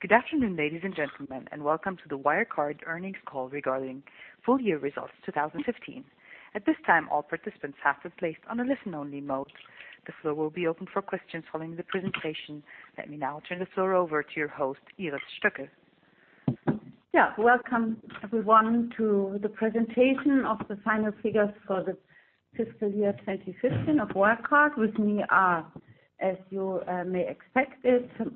Good afternoon, ladies and gentlemen, and welcome to the Wirecard earnings call regarding full year results 2015. At this time, all participants have been placed on a listen only mode. The floor will be open for questions following the presentation. Let me now turn the floor over to your host, Iris Stöckl. Yeah. Welcome everyone, to the presentation of the final figures for the fiscal year 2015 of Wirecard. With me are, as you may expect,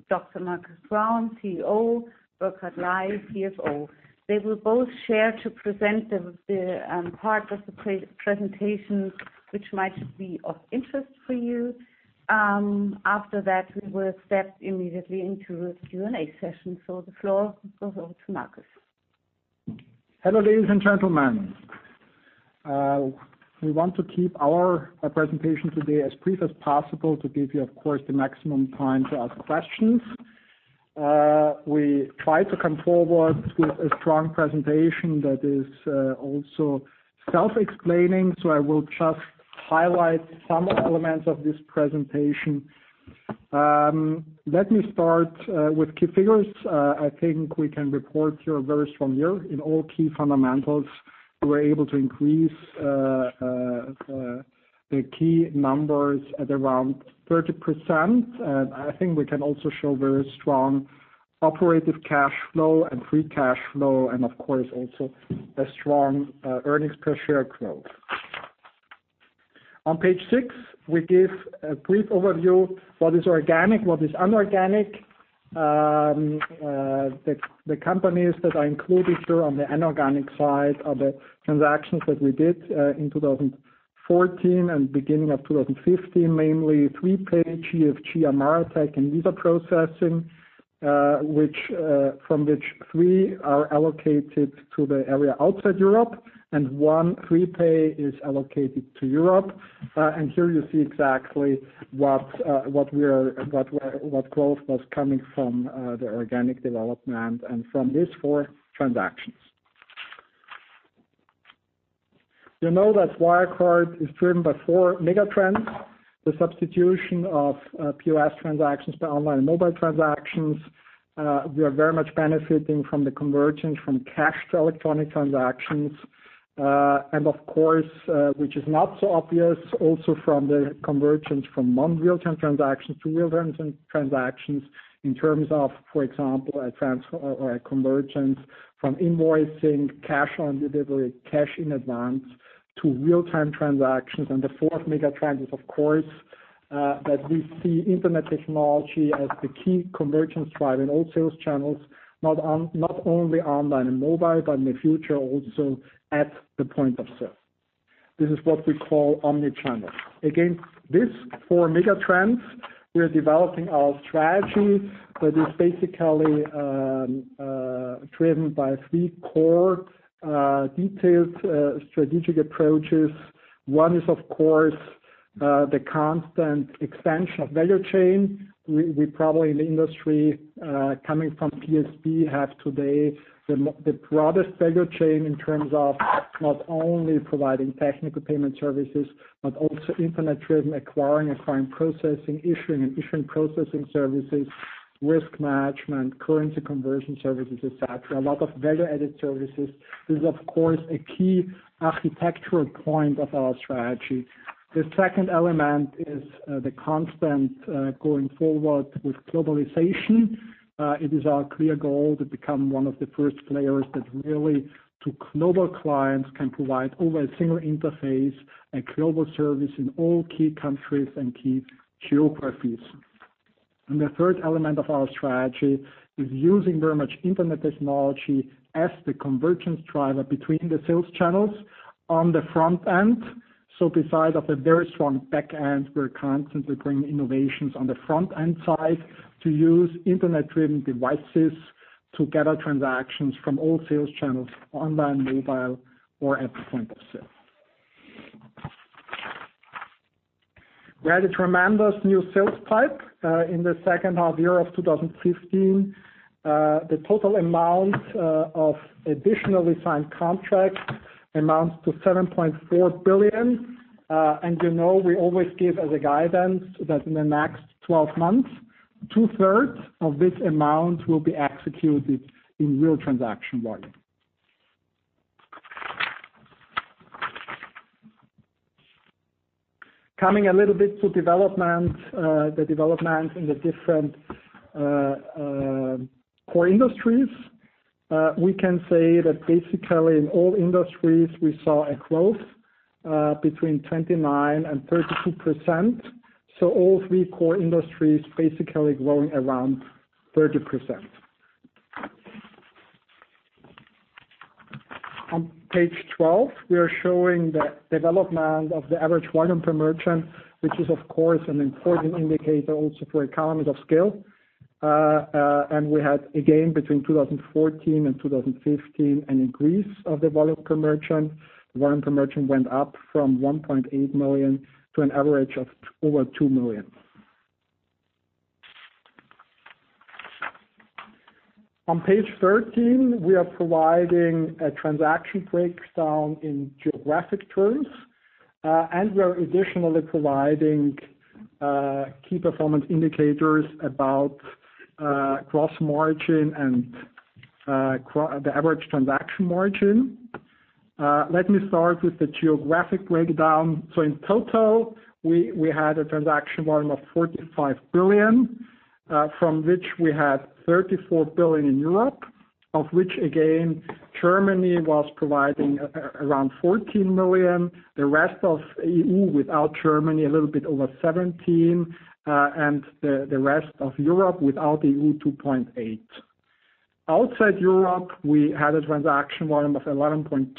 Dr. Markus Braun, CEO, Burkhard Ley, CFO. They will both share to present the part of the presentation which might be of interest for you. After that, we will step immediately into a Q&A session. The floor goes over to Markus. Hello, ladies and gentlemen. We want to keep our presentation today as brief as possible to give you, of course, the maximum time to ask questions. We try to come forward with a strong presentation that is also self-explaining. I will just highlight some elements of this presentation. Let me start with key figures. I think we can report here a very strong year in all key fundamentals. We were able to increase the key numbers at around 30%. I think we can also show very strong operative cash flow and free cash flow and, of course, also a strong earnings per share growth. On page six, we give a brief overview, what is organic, what is inorganic. The companies that are included here on the inorganic side are the transactions that we did in 2014 and beginning of 2015, mainly PrePay, GFG, Martec, and Visa Processing, from which three are allocated to the area outside Europe, and one, PrePay, is allocated to Europe. Here you see exactly what growth was coming from the organic development and from these four transactions. You know that Wirecard is driven by four mega trends, the substitution of POS transactions by online and mobile transactions. We are very much benefiting from the convergence from cash to electronic transactions. Of course, which is not so obvious, also from the convergence from non-real-time transactions to real-time transactions in terms of, for example, a convergence from invoicing, cash on delivery, cash in advance, to real-time transactions. The fourth mega trend is, of course, that we see internet technology as the key convergence drive in all sales channels, not only online and mobile, but in the future also at the point of sale. This is what we call omnichannel. Against these four mega trends, we are developing our strategy that is basically driven by three core detailed strategic approaches. One is, of course, the constant expansion of value chain. We probably in the industry, coming from PSP, have today the broadest value chain in terms of not only providing technical payment services, but also internet-driven acquiring processing, issuing and issuing processing services, risk management, currency conversion services, et cetera. A lot of value-added services. This is, of course, a key architectural point of our strategy. The second element is the constant going forward with globalization. It is our clear goal to become one of the first players that really, to global clients, can provide over a single interface, a global service in all key countries and key geographies. The third element of our strategy is using very much internet technology as the convergence driver between the sales channels on the front end. Besides of a very strong back end, we're constantly bringing innovations on the front end side to use internet-driven devices to gather transactions from all sales channels, online, mobile, or at the point of sale. We had a tremendous new sales pipe in the second half year of 2015. The total amount of additionally signed contracts amounts to 7.4 billion. You know we always give as a guidance that in the next 12 months, two-thirds of this amount will be executed in real transaction volume. Coming a little bit to development, the development in the different core industries. We can say that basically in all industries, we saw a growth between 29%-32%. All three core industries basically growing around 30%. On page 12, we are showing the development of the average volume per merchant, which is, of course, an important indicator also for economies of scale. We had again, between 2014 and 2015, an increase of the volume per merchant. Volume per merchant went up from 1.8 million to an average of over 2 million. Okay. On page 13, we are providing a transaction breakdown in geographic terms. We're additionally providing key performance indicators about gross margin and the average transaction margin. Let me start with the geographic breakdown. In total, we had a transaction volume of 45 billion, from which we had 34 billion in Europe, of which, again, Germany was providing around 14 million. The rest of EU without Germany, a little bit over 17 billion, and the rest of Europe without the EU, 2.8 billion. Outside Europe, we had a transaction volume of 11.2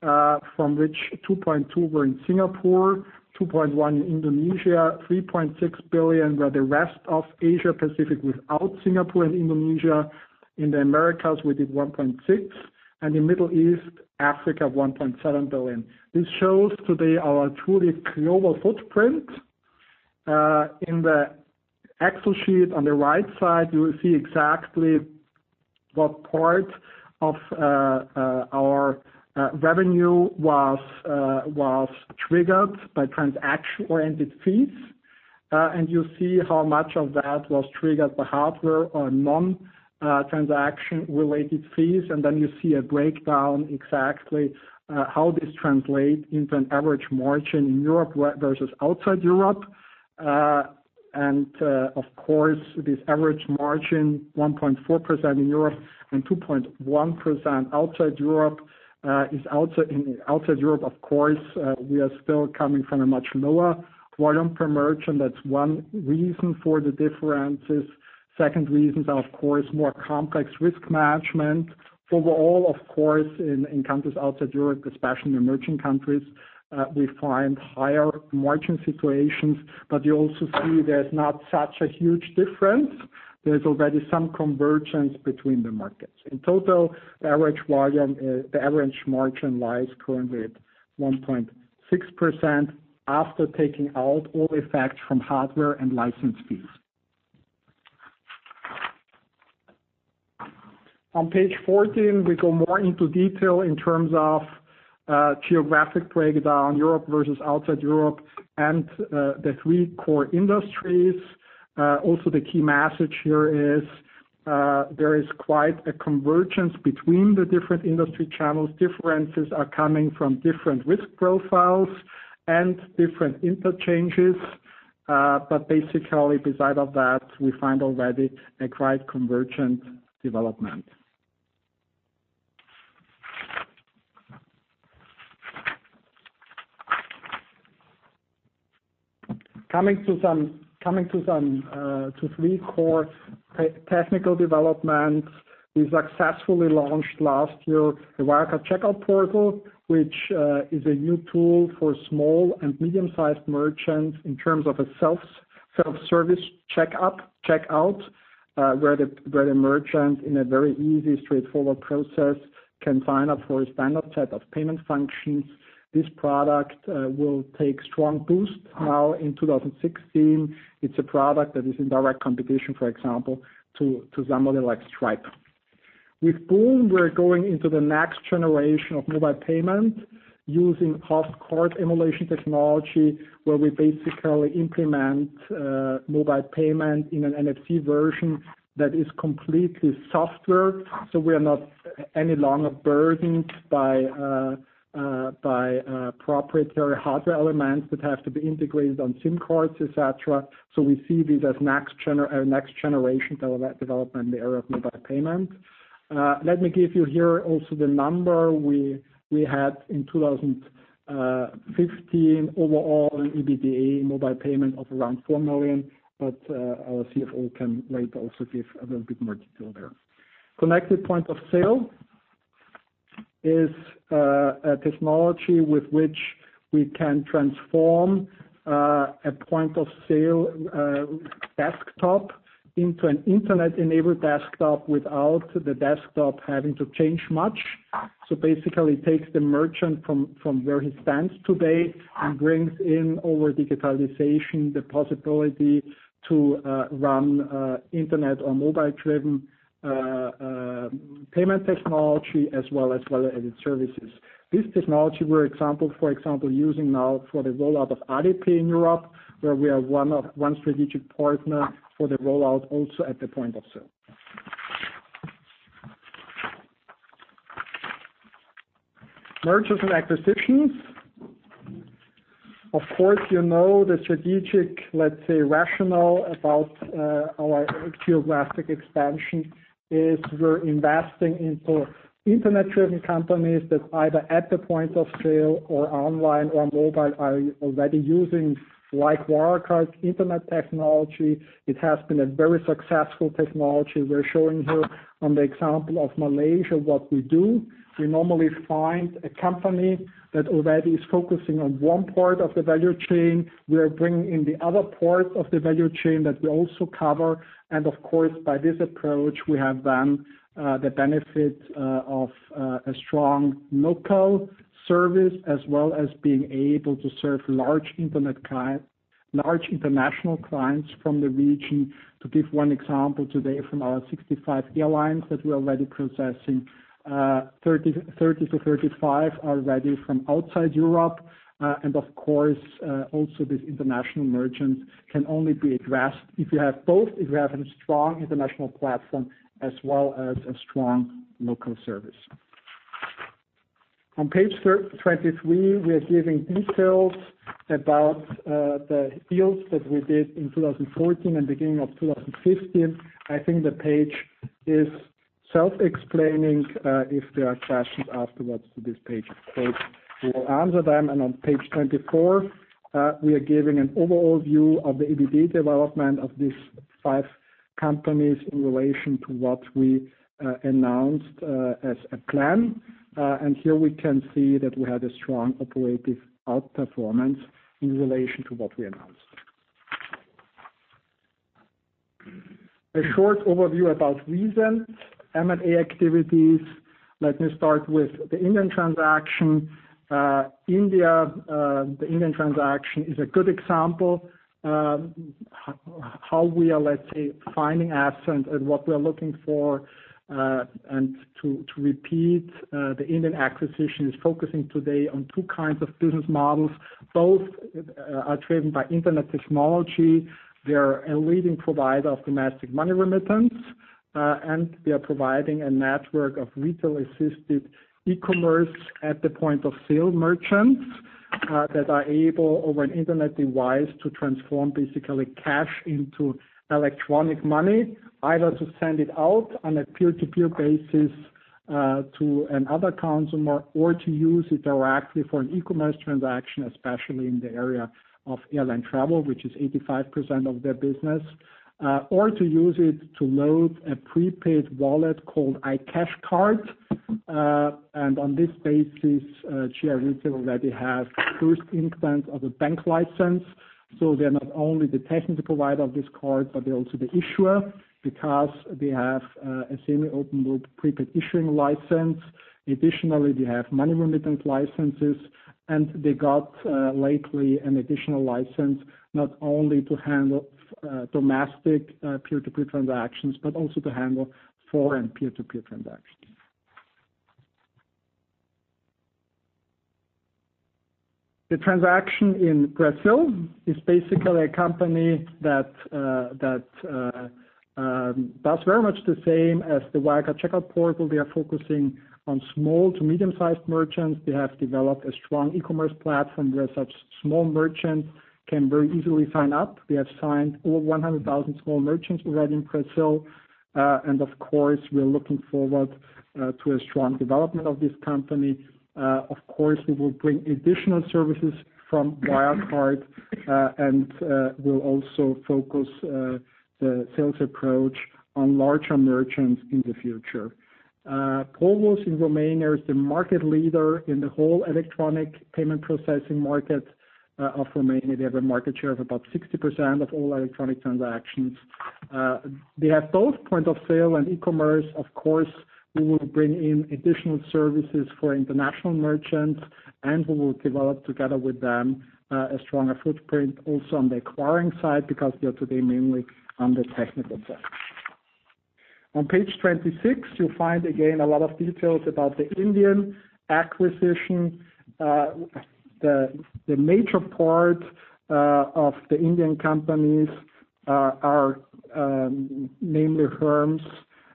billion, from which 2.2 billion were in Singapore, 2.1 billion in Indonesia, 3.6 billion were the rest of Asia-Pacific without Singapore and Indonesia. In the Americas, we did 1.6 billion, and in Middle East, Africa, 1.7 billion. This shows today our truly global footprint. In the Excel sheet on the right side, you will see exactly what part of our revenue was triggered by transaction-oriented fees. You see how much of that was triggered by hardware or non-transaction related fees. Then you see a breakdown exactly how this translate into an average margin in Europe versus outside Europe. Of course, this average margin, 1.4% in Europe and 2.1% outside Europe. In outside Europe, of course, we are still coming from a much lower volume per merchant. That's one reason for the differences. Second reasons are, of course, more complex risk management. Overall, of course, in countries outside Europe, especially in emerging countries, we find higher margin situations. You also see there's not such a huge difference. There's already some convergence between the markets. In total, the average margin lies currently at 1.6% after taking out all effects from hardware and license fees. On page 14, we go more into detail in terms of geographic breakdown, Europe versus outside Europe, and the three core industries. Also, the key message here is there is quite a convergence between the different industry channels. Differences are coming from different risk profiles and different interchanges. Basically, beside of that, we find already a quite convergent development. Coming to three core technical developments. We successfully launched last year the Wirecard Checkout Portal, which is a new tool for small and medium-sized merchants in terms of a self-service checkout, where the merchant, in a very easy, straightforward process, can sign up for a standard set of payment functions. This product will take strong boost now in 2016. It's a product that is in direct competition, for example, to somebody like Stripe. With boon, we're going into the next generation of mobile payment using Host Card Emulation technology, where we basically implement mobile payment in an NFC version that is completely software. We are not any longer burdened by proprietary hardware elements that have to be integrated on SIM cards, et cetera. We see this as next generation development in the area of mobile payment. Let me give you here also the number we had in 2015. Overall, in EBITDA, mobile payment of around 4 million, but our CFO can later also give a little bit more detail there. Connected Point of Sale is a technology with which we can transform a Point of Sale desktop into an internet-enabled desktop without the desktop having to change much. Basically takes the merchant from where he stands today and brings in, over digitalization, the possibility to run internet or mobile-driven payment technology as well as related services. This technology we're, for example, using now for the rollout of Alipay in Europe, where we are one strategic partner for the rollout also at the Point of Sale. Mergers and acquisitions. Of course, you know the strategic, let's say, rationale about our geographic expansion is we're investing into internet-driven companies that either at the Point of Sale or online or mobile are already using Wirecard's internet technology. It has been a very successful technology. We're showing here on the example of Malaysia what we do. We normally find a company that already is focusing on one part of the value chain. We are bringing in the other part of the value chain that we also cover. Of course, by this approach, we have then the benefit of a strong local service, as well as being able to serve large international clients from the region. To give one example today from our 65 airlines that we are already processing, 30-35 are already from outside Europe. Of course, also these international merchants can only be addressed if you have both; if you have a strong international platform as well as a strong local service. On page 23, we are giving details about the deals that we did in 2014 and beginning of 2015. I think the page is self-explaining. If there are questions afterwards to this page, of course, we will answer them. On page 24, we are giving an overall view of the EBITDA development of these five companies in relation to what we announced as a plan. Here we can see that we had a strong operative outperformance in relation to what we announced. A short overview about recent M&A activities. Let me start with the Indian transaction. The Indian transaction is a good example of how we are, let's say, finding assets and what we are looking for. To repeat, the Indian acquisition is focusing today on two kinds of business models. Both are driven by internet technology. They are a leading provider of domestic money remittance, and they are providing a network of retail-assisted e-commerce at the point-of-sale merchants that are able, over an internet device, to transform basically cash into electronic money, either to send it out on a peer-to-peer basis to another consumer or to use it directly for an e-commerce transaction, especially in the area of airline travel, which is 85% of their business, or to use it to load a prepaid wallet called iCash Card. On this basis, GI Retail already has first instance of a bank license. They're not only the technical provider of this card, but they're also the issuer because they have a semi-open loop prepaid issuing license. Additionally, they have money remittance licenses, they got lately an additional license, not only to handle domestic peer-to-peer transactions, but also to handle foreign peer-to-peer transactions. The transaction in Brazil is basically a company that does very much the same as the Wirecard Checkout Portal. They are focusing on small to medium-sized merchants. They have developed a strong e-commerce platform where such small merchants can very easily sign up. They have signed over 100,000 small merchants already in Brazil. Of course, we are looking forward to a strong development of this company. Of course, we will bring additional services from Wirecard, and will also focus the sales approach on larger merchants in the future. Provus in Romania is the market leader in the whole electronic payment processing market of Romania. They have a market share of about 60% of all electronic transactions. They have both point of sale and e-commerce. Of course, we will bring in additional services for international merchants, and we will develop together with them a stronger footprint also on the acquiring side, because they are today mainly on the technical side. On page 26, you'll find again a lot of details about the Indian acquisition. The major part of the Indian companies are namely Hermes.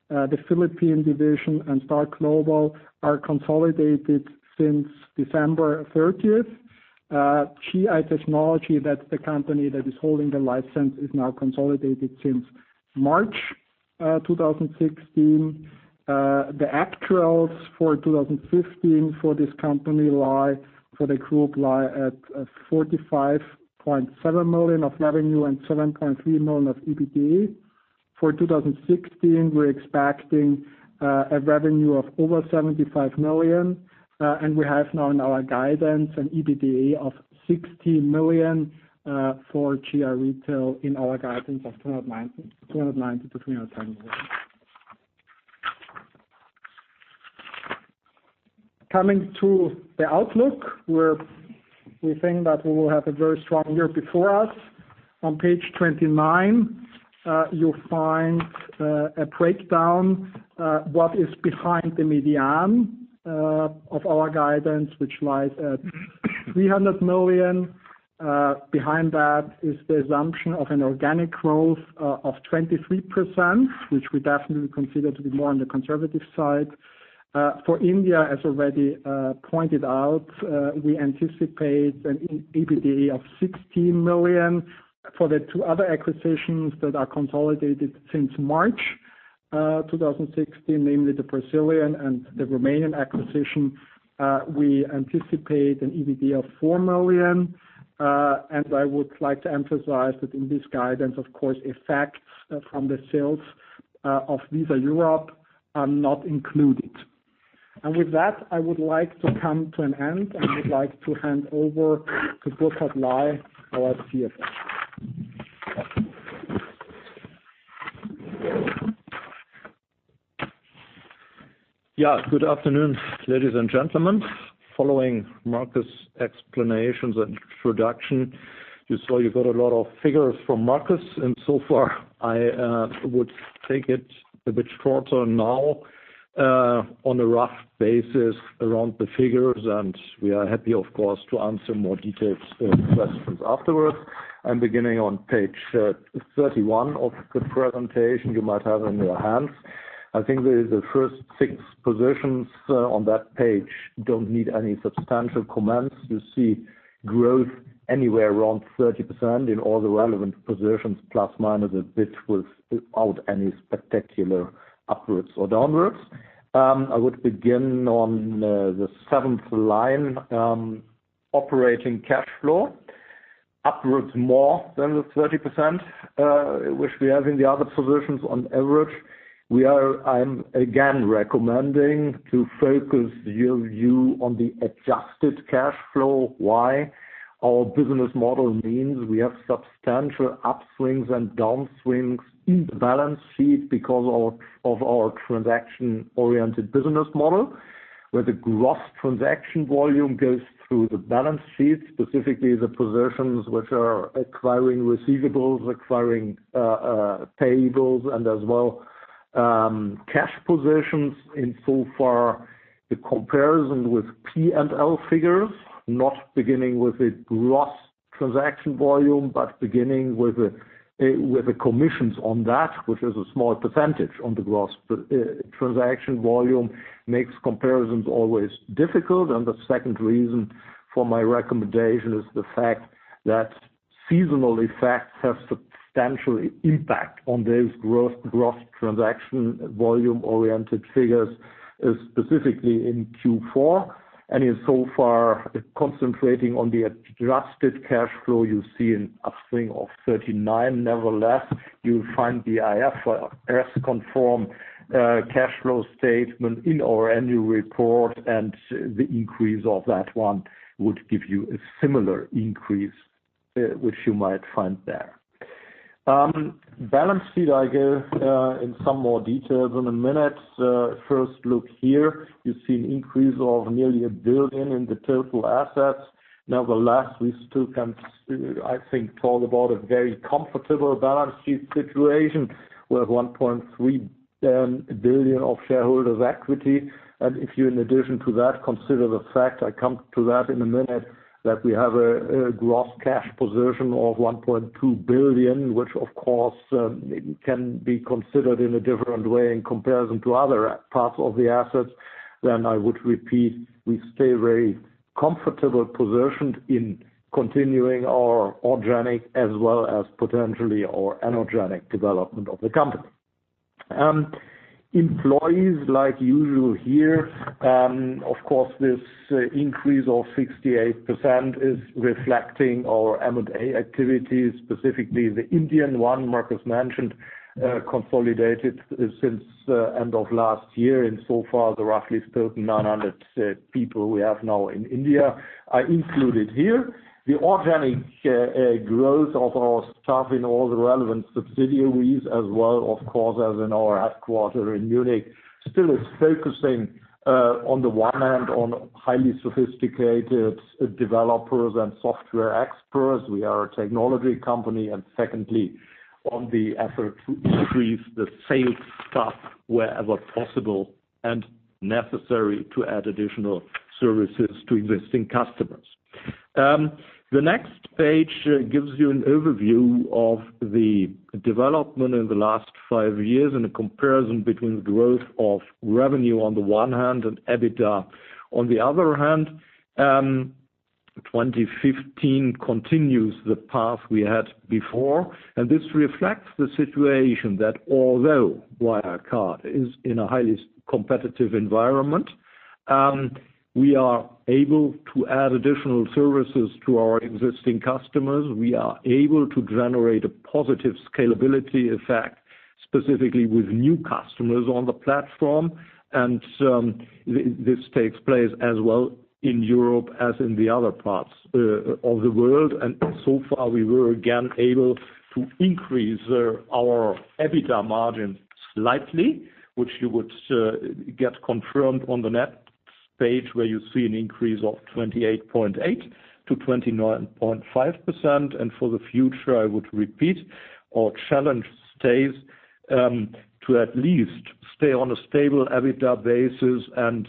The Philippine division and Star Global are consolidated since December 30th. GI Technology, that's the company that is holding the license, is now consolidated since March 2016. The actuals for 2015 for this company lie, for the group, lie at 45.7 million of revenue and 7.3 million of EBITDA. For 2016, we're expecting a revenue of over 75 million. We have now in our guidance an EBITDA of 16 million for GI Retail in our guidance of 290 million-310 million. Coming to the outlook, we think that we will have a very strong year before us. On page 29, you'll find a breakdown. What is behind the median of our guidance, which lies at 300 million. Behind that is the assumption of an organic growth of 23%, which we definitely consider to be more on the conservative side. For India, as already pointed out, we anticipate an EBITDA of 16 million. For the two other acquisitions that are consolidated since March 2016, namely the Brazilian and the Romanian acquisition, we anticipate an EBITDA of 4 million. I would like to emphasize that in this guidance, of course, effects from the sales of Visa Europe are not included. With that, I would like to come to an end, and I would like to hand over to Burkhard Ley, our CFO. Good afternoon, ladies and gentlemen. Following Markus' explanations and introduction, you saw you got a lot of figures from Markus, so far I would take it a bit shorter now on a rough basis around the figures. We are happy, of course, to answer more detailed questions afterwards. I'm beginning on page 31 of the presentation you might have in your hands. I think the first six positions on that page don't need any substantial comments. You see growth anywhere around 30% in all the relevant positions, plus minus a bit without any spectacular upwards or downwards. I would begin on the seventh line. Operating cash flow. Upwards more than the 30% which we have in the other positions on average. I am again recommending to focus your view on the adjusted cash flow. Why? Our business model means we have substantial upswings and downswings in the balance sheet because of our transaction-oriented business model, where the gross transaction volume goes through the balance sheet, specifically the positions which are acquiring receivables, acquiring payables, and as well cash positions. The comparison with P&L figures, not beginning with the gross transaction volume, but beginning with the commissions on that, which is a small percentage on the gross. Transaction volume makes comparisons always difficult. The second reason for my recommendation is the fact that seasonal effects have substantial impact on those gross transaction volume-oriented figures, specifically in Q4. Concentrating on the adjusted cash flow, you see an upswing of 39%. Nevertheless, you find the IFRS-conform cash flow statement in our annual report, the increase of that one would give you a similar increase, which you might find there. Balance sheet I give in some more details in a minute. First, look here. You see an increase of nearly 1 billion in the total assets. Nevertheless, we still can, I think, talk about a very comfortable balance sheet situation with 1.3 billion of shareholders' equity. If you, in addition to that, consider the fact, I come to that in a minute, that we have a gross cash position of 1.2 billion, which of course can be considered in a different way in comparison to other parts of the assets, then I would repeat, we stay very comfortable positioned in continuing our organic as well as potentially our inorganic development of the company. Employees, like usual here, of course, this increase of 68% is reflecting our M&A activities, specifically the Indian one Markus mentioned, consolidated since end of last year. So far, the roughly 1,300 people we have now in India are included here. The organic growth of our staff in all the relevant subsidiaries as well, of course, as in our headquarter in Munich, still is focusing on the one hand on highly sophisticated developers and software experts. We are a technology company. Secondly, on the effort to increase the sales staff wherever possible and necessary to add additional services to existing customers. The next page gives you an overview of the development in the last five years and a comparison between growth of revenue on the one hand and EBITDA on the other hand. 2015 continues the path we had before. This reflects the situation that although Wirecard is in a highly competitive environment, we are able to add additional services to our existing customers. We are able to generate a positive scalability effect, specifically with new customers on the platform. This takes place as well in Europe as in the other parts of the world. So far, we were again able to increase our EBITDA margin slightly, which you would get confirmed on the next page where you see an increase of 28.8% to 29.5%. For the future, I would repeat our challenge stays to at least stay on a stable EBITDA basis and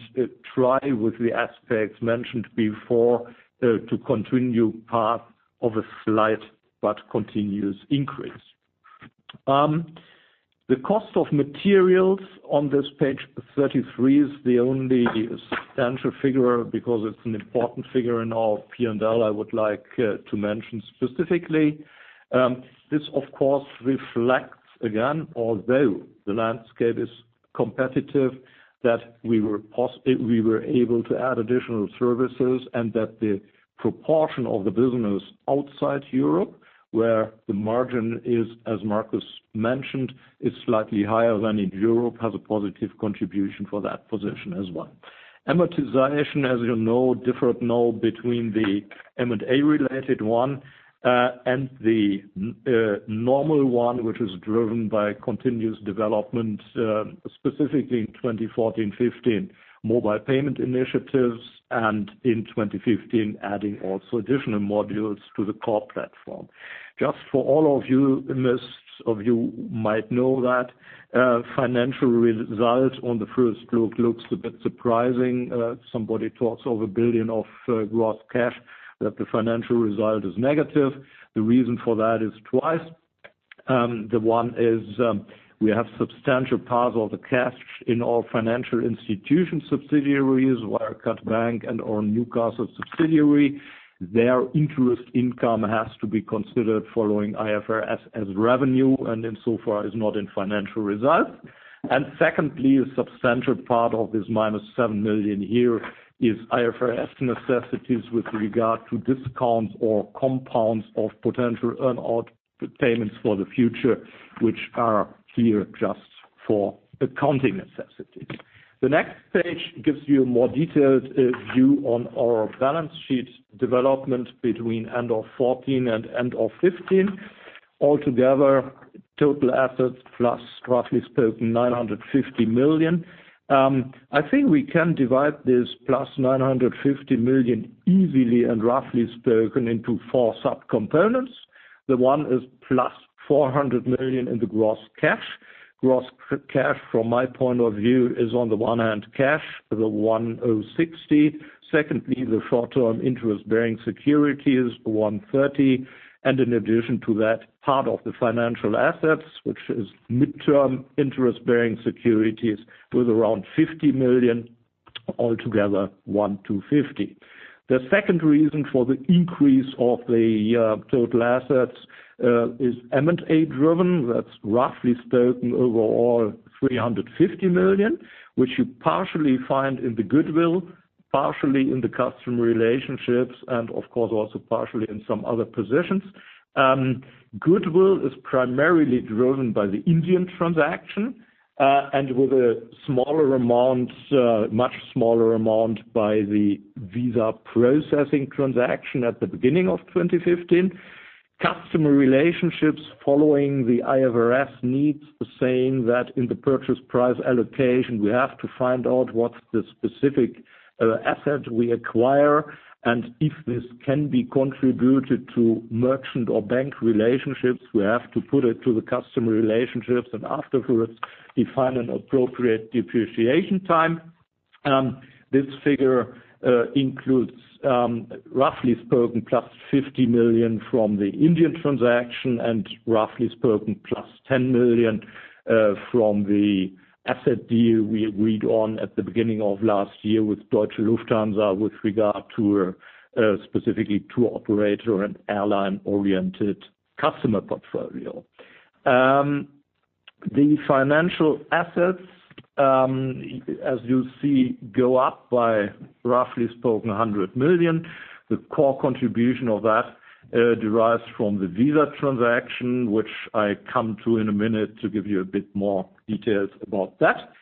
try with the aspects mentioned before to continue path of a slight but continuous increase. The cost of materials on this page 33 is the only substantial figure because it's an important figure in our P&L I would like to mention specifically. This, of course, reflects again, although the landscape is competitive, that we were able to add additional services and that the proportion of the business outside Europe, where the margin is, as Markus mentioned, is slightly higher than in Europe, has a positive contribution for that position as well. Amortization, as you know, different now between the M&A related one and the normal one, which is driven by continuous development, specifically in 2014, 2015 mobile payment initiatives, and in 2015, adding also additional modules to the core platform. Just for all of you, most of you might know that financial results on the first look looks a bit surprising. Somebody talks of 1 billion of gross cash, that the financial result is negative. The reason for that is twice. One is we have substantial part of the cash in our financial institution subsidiaries, Wirecard Bank and our Newcastle subsidiary. Their interest income has to be considered following IFRS as revenue, insofar as not in financial results. Secondly, a substantial part of this minus 7 million here is IFRS necessities with regard to discounts or compounds of potential earn-out payments for the future, which are here just for accounting necessities. The next page gives you a more detailed view on our balance sheet development between end of 2014 and end of 2015. Altogether, total assets plus, roughly spoken, 950 million. I think we can divide this plus 950 million easily and roughly spoken into four sub-components. The one is plus 400 million in the gross cash. Gross cash, from my point of view, is on the one hand, cash, the 160. Secondly, the short-term interest-bearing securities, 130. In addition to that, part of the financial assets, which is mid-term interest-bearing securities with around 50 million, altogether 1,250. The second reason for the increase of the total assets is M&A driven. That's roughly spoken overall 350 million, which you partially find in the goodwill, partially in the customer relationships, and of course, also partially in some other positions. Goodwill is primarily driven by the Indian transaction, and with a much smaller amount by the Visa processing transaction at the beginning of 2015. Customer relationships following the IFRS needs, saying that in the purchase price allocation, we have to find out what's the specific asset we acquire, and if this can be contributed to merchant or bank relationships. We have to put it to the customer relationships, and afterwards define an appropriate depreciation time. This figure includes, roughly spoken, plus 50 million from the Indian transaction and, roughly spoken, plus 10 million from the asset deal we agreed on at the beginning of last year with Deutsche Lufthansa, with regard specifically to operator and airline-oriented customer portfolio. The financial assets, as you see, go up by, roughly spoken, 100 million. The core contribution of that derives from the Visa transaction, which I come to in a minute to give you a bit more details about that.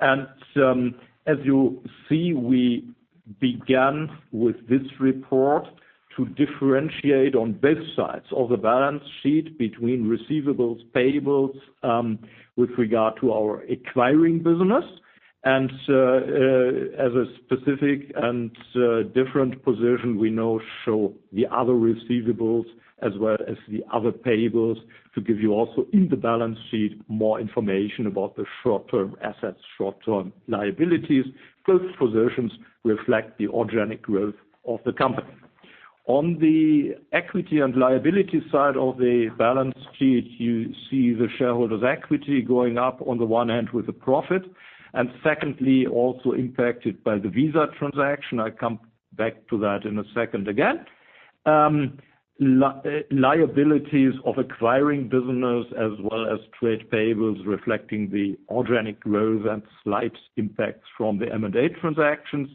As you see, we began with this report to differentiate on both sides of the balance sheet between receivables, payables with regard to our acquiring business. As a specific and different position, we now show the other receivables as well as the other payables to give you also in the balance sheet, more information about the short-term assets, short-term liabilities. Both positions reflect the organic growth of the company. On the equity and liability side of the balance sheet, you see the shareholders' equity going up on the one hand with a profit. Secondly, also impacted by the Visa transaction. I come back to that in a second again. Liabilities of acquiring business as well as trade payables reflecting the organic growth and slight impacts from the M&A transactions.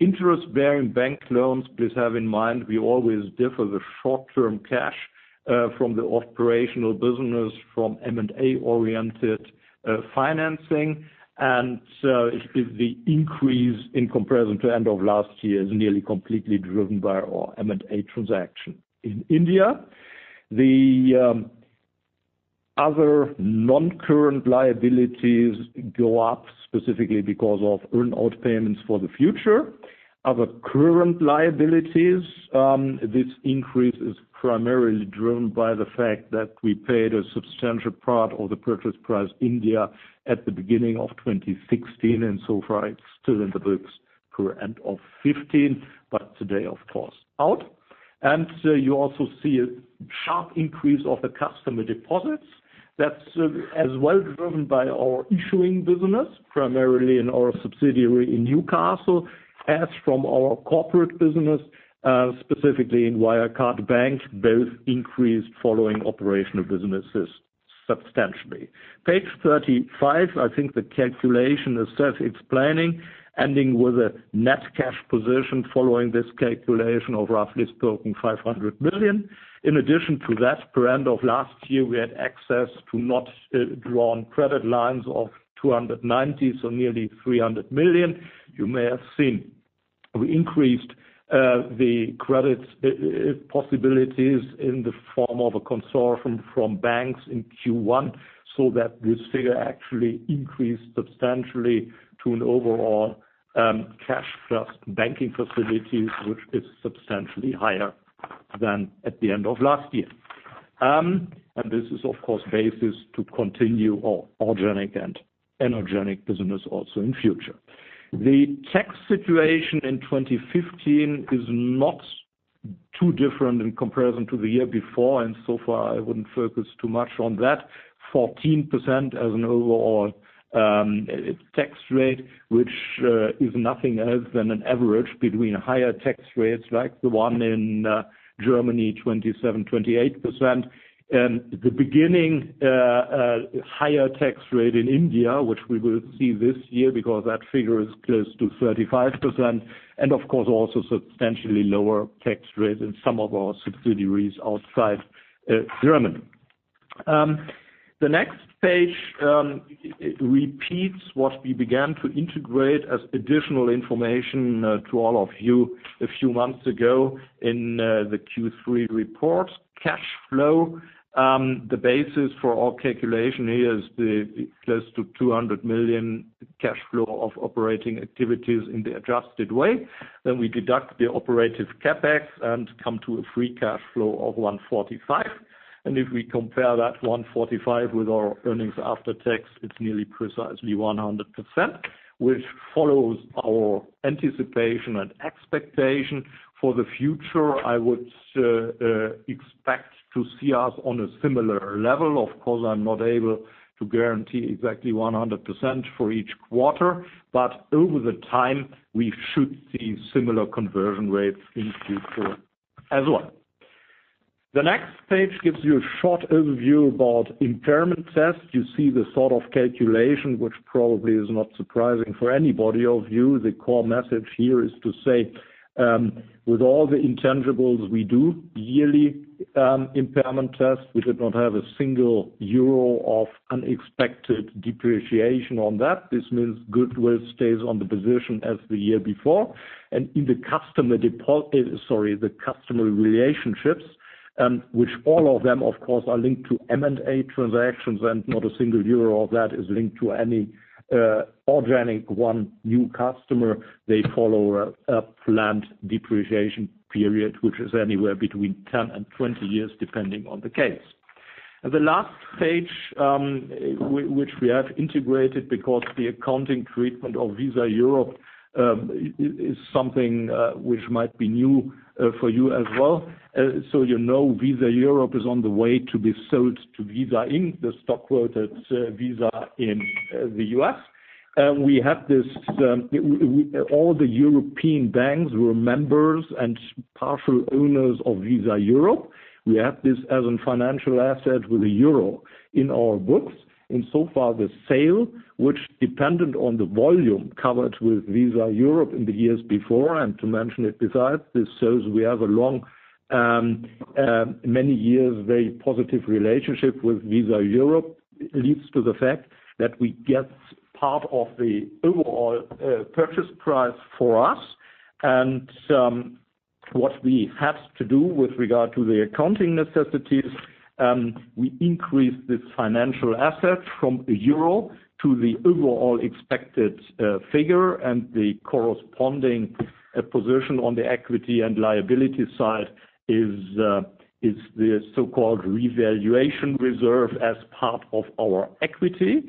Interest-bearing bank loans, please have in mind, we always differ the short-term cash from the operational business from M&A-oriented financing. So the increase in comparison to end of last year is nearly completely driven by our M&A transaction in India. The other non-current liabilities go up specifically because of earn-out payments for the future. Other current liabilities. This increase is primarily driven by the fact that we paid a substantial part of the purchase price India at the beginning of 2016. So far, it's still in the books per end of 2015. Today, of course, out. You also see a sharp increase of the customer deposits. That's as well driven by our issuing business, primarily in our subsidiary in Newcastle, as from our corporate business, specifically in Wirecard Bank. Both increased following operational businesses substantially. Page 35, I think the calculation is self-explaining, ending with a net cash position following this calculation of, roughly spoken, 500 million. In addition to that, per end of last year, we had access to not drawn credit lines of 290, so nearly 300 million. You may have seen. We increased the credits possibilities in the form of a consortium from banks in Q1, so that this figure actually increased substantially to an overall cash plus banking facilities, which is substantially higher than at the end of last year. This is, of course, basis to continue our organic and inorganic business also in future. The tax situation in 2015 is not too different in comparison to the year before. So far, I wouldn't focus too much on that. 14% as an overall tax rate, which is nothing else than an average between higher tax rates, like the one in Germany, 27%-28%. The beginning higher tax rate in India, which we will see this year because that figure is close to 35%. Of course, also substantially lower tax rate in some of our subsidiaries outside Germany. The next page repeats what we began to integrate as additional information to all of you a few months ago in the Q3 report. Cash flow. The basis for our calculation here is the close to 200 million cash flow of operating activities in the adjusted way. Then we deduct the operative CapEx and come to a free cash flow of 145. If we compare that 145 with our earnings after tax, it's nearly precisely 100%, which follows our anticipation and expectation for the future. I would expect to see us on a similar level. Of course, I'm not able to guarantee exactly 100% for each quarter, but over the time, we should see similar conversion rates in Q4 as well. The next page gives you a short overview about impairment test. You see the sort of calculation, which probably is not surprising for any of you. The core message here is to say, with all the intangibles we do yearly impairment test, we did not have a single EUR of unexpected depreciation on that. This means goodwill stays on the position as the year before. In the customer relationships, which all of them, of course, are linked to M&A transactions and not a single EUR of that is linked to any anorganic one new customer. They follow a planned depreciation period, which is anywhere between 10 and 20 years, depending on the case. The last page, which we have integrated because the accounting treatment of Visa Europe is something which might be new for you as well. You know Visa Europe is on the way to be sold to Visa Inc., the stock quoted Visa in the U.S. All the European banks were members and partial owners of Visa Europe. We have this as a financial asset with EUR 1 in our books. So far, the sale, which dependent on the volume covered with Visa Europe in the years before and to mention it besides, this shows we have a long, many years, very positive relationship with Visa Europe, leads to the fact that we get part of the overall purchase price for us. What we had to do with regard to the accounting necessities, we increased this financial asset from EUR 1 to the overall expected figure and the corresponding position on the equity and liability side is the so-called revaluation reserve as part of our equity.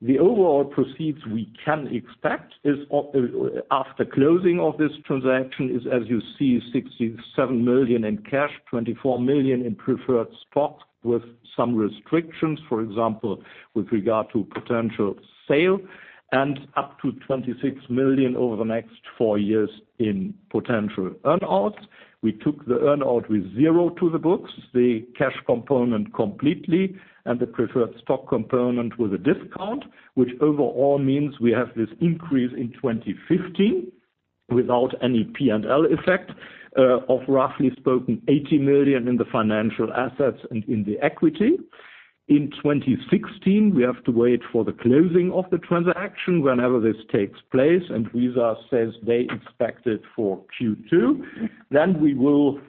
The overall proceeds we can expect after closing of this transaction is, as you see, 67 million in cash, 24 million in preferred stock with some restrictions. For example, with regard to potential sale up to 26 million over the next 4 years in potential earn-outs. We took the earn-out with zero to the books, the cash component completely, and the preferred stock component with a discount, which overall means we have this increase in 2015 without any P&L effect of roughly spoken 80 million in the financial assets and in the equity. In 2016, we have to wait for the closing of the transaction whenever this takes place, and Visa says they expect it for Q2. Then we will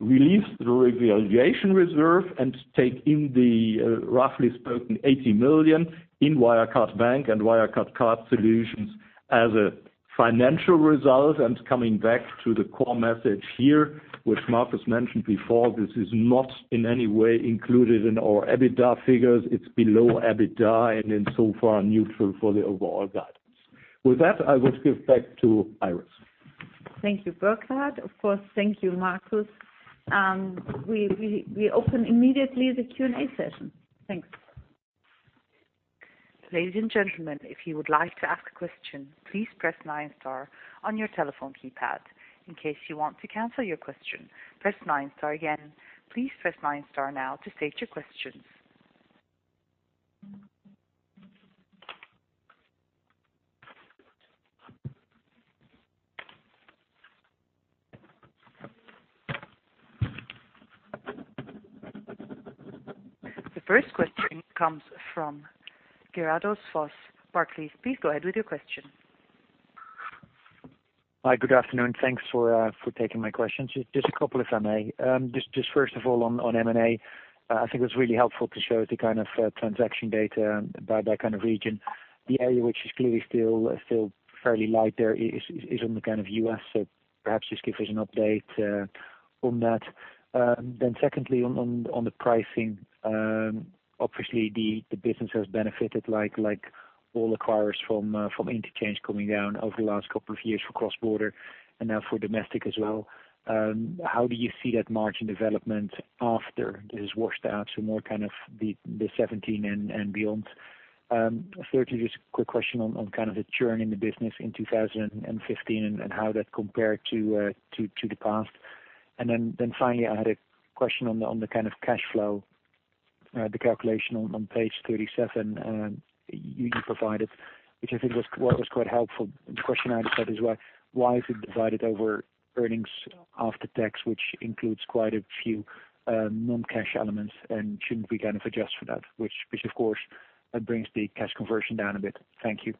release the revaluation reserve and take in the roughly spoken 80 million in Wirecard Bank and Wirecard Card Solutions as a financial result. Coming back to the core message here, which Markus mentioned before, this is not in any way included in our EBITDA figures. It's below EBITDA and in so far neutral for the overall guidance. With that, I would give back to Iris. Thank you, Burkhard. Of course, thank you, Markus. We open immediately the Q&A session. Thanks. Ladies and gentlemen, if you would like to ask a question, please press nine star on your telephone keypad. In case you want to cancel your question, press nine star again. Please press nine star now to state your questions. The first question comes from Gerardus Vos, Barclays. Please go ahead with your question. Hi, good afternoon. Thanks for taking my questions. Just a couple, if I may. First of all, on M&A, I think it was really helpful to show the kind of transaction data by that kind of region. The area which is clearly still fairly light there is in the kind of U.S., so perhaps just give us an update on that. Secondly, on the pricing. Obviously, the business has benefited, like all acquirers, from interchange coming down over the last couple of years for cross-border and now for domestic as well. How do you see that margin development after it has washed out to more the 2017 and beyond? Thirdly, just a quick question on kind of the churn in the business in 2015 and how that compared to the past. Finally, I had a question on the kind of cash flow, the calculation on page 37 you provided, which I think was what was quite helpful. The question I had about is why is it divided over earnings after tax, which includes quite a few non-cash elements, and shouldn't we kind of adjust for that? Which of course brings the cash conversion down a bit. Thank you.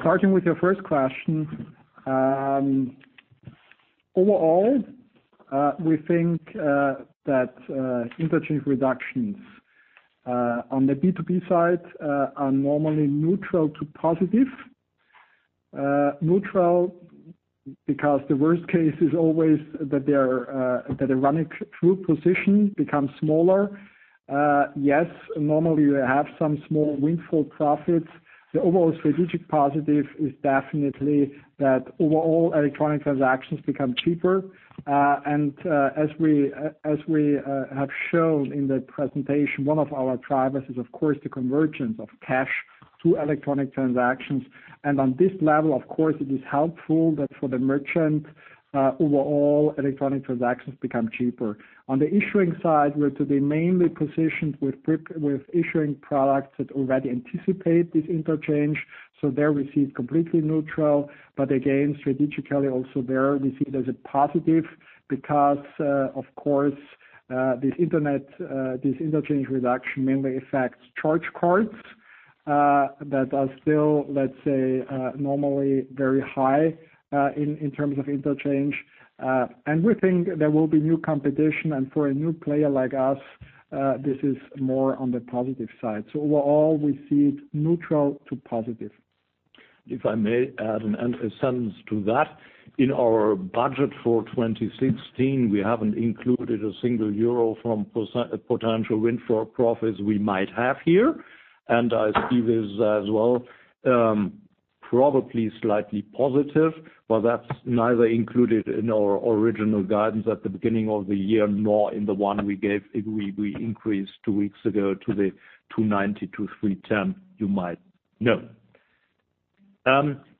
Starting with your first question. Overall, we think that interchange reductions on the B2B side are normally neutral to positive. Neutral because the worst case is always that their running true position becomes smaller. Yes, normally you have some small windfall profits. The overall strategic positive is definitely that overall electronic transactions become cheaper. As we have shown in the presentation, one of our drivers is, of course, the convergence of cash to electronic transactions. On this level, of course, it is helpful that for the merchant, overall electronic transactions become cheaper. On the issuing side, we're to be mainly positioned with issuing products that already anticipate this interchange. There we see it completely neutral. Again, strategically also there we see it as a positive because, of course, this interchange reduction mainly affects charge cards, that are still, let's say, normally very high in terms of interchange. We think there will be new competition. For a new player like us, this is more on the positive side. Overall, we see it neutral to positive. If I may add a sentence to that. In our budget for 2016, we haven't included a single euro from potential windfall profits we might have here. I see this as well, probably slightly positive, but that's neither included in our original guidance at the beginning of the year, nor in the one we gave, we increased two weeks ago to the 290-310, you might know.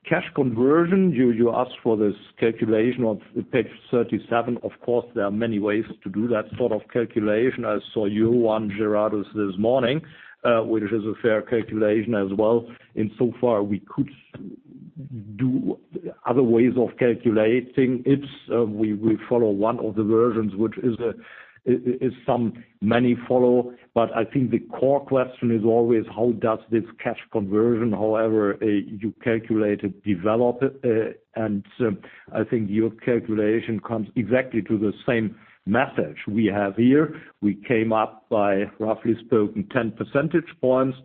Cash conversion, you asked for this calculation on page 37. Of course, there are many ways to do that sort of calculation. I saw your one, Gerardus, this morning, which is a fair calculation as well. Insofar we could do other ways of calculating it. We follow one of the versions, which is some many follow. I think the core question is always how does this cash conversion, however you calculate it, develop? I think your calculation comes exactly to the same message we have here. We came up by, roughly spoken, 10 percentage points.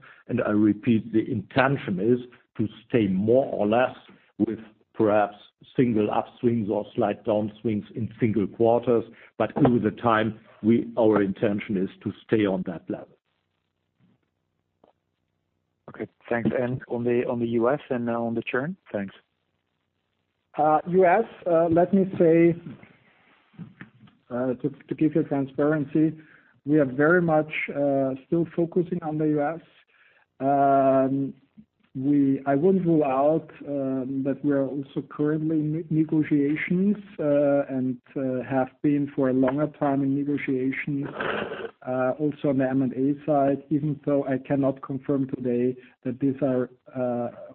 I repeat, the intention is to stay more or less with perhaps single upswings or slight downswings in single quarters. Over the time, our intention is to stay on that level. Okay, thanks. On the U.S. and on the churn? Thanks. U.S., let me say, to give you transparency, we are very much still focusing on the U.S. I wouldn't rule out that we are also currently in negotiations, and have been for a longer time in negotiation also on the M&A side, even though I cannot confirm today that these are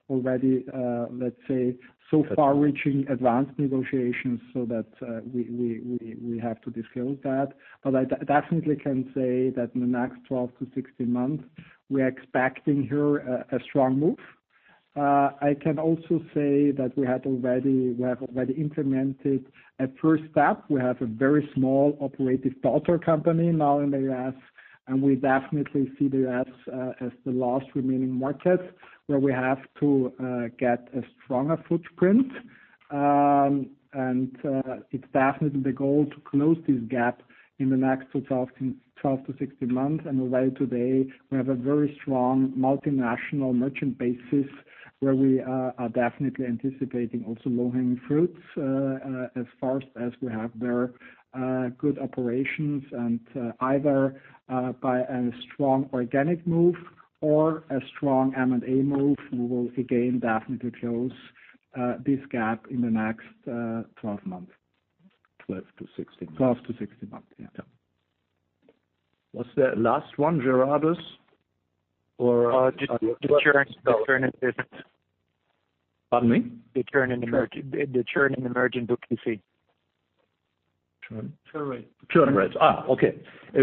already, let's say, so far-reaching advanced negotiations so that we have to disclose that. I definitely can say that in the next 12 to 16 months, we are expecting here a strong move. I can also say that we have already implemented a first step. We have a very small operative daughter company now in the U.S., and we definitely see the U.S. as the last remaining market where we have to get a stronger footprint. It's definitely the goal to close this gap in the next 12 to 16 months. Already today, we have a very strong multinational merchant basis where we are definitely anticipating also low-hanging fruits as far as we have there good operations, and either by a strong organic move or a strong M&A move, we will again definitely close this gap in the next 12 months. 12 to 16 months. 12 to 16 months, yeah. What's the last one, Gerardus? The churn in business. Pardon me? The churn in emerging book you see. Churn- Churn rate. Churn rate. Okay.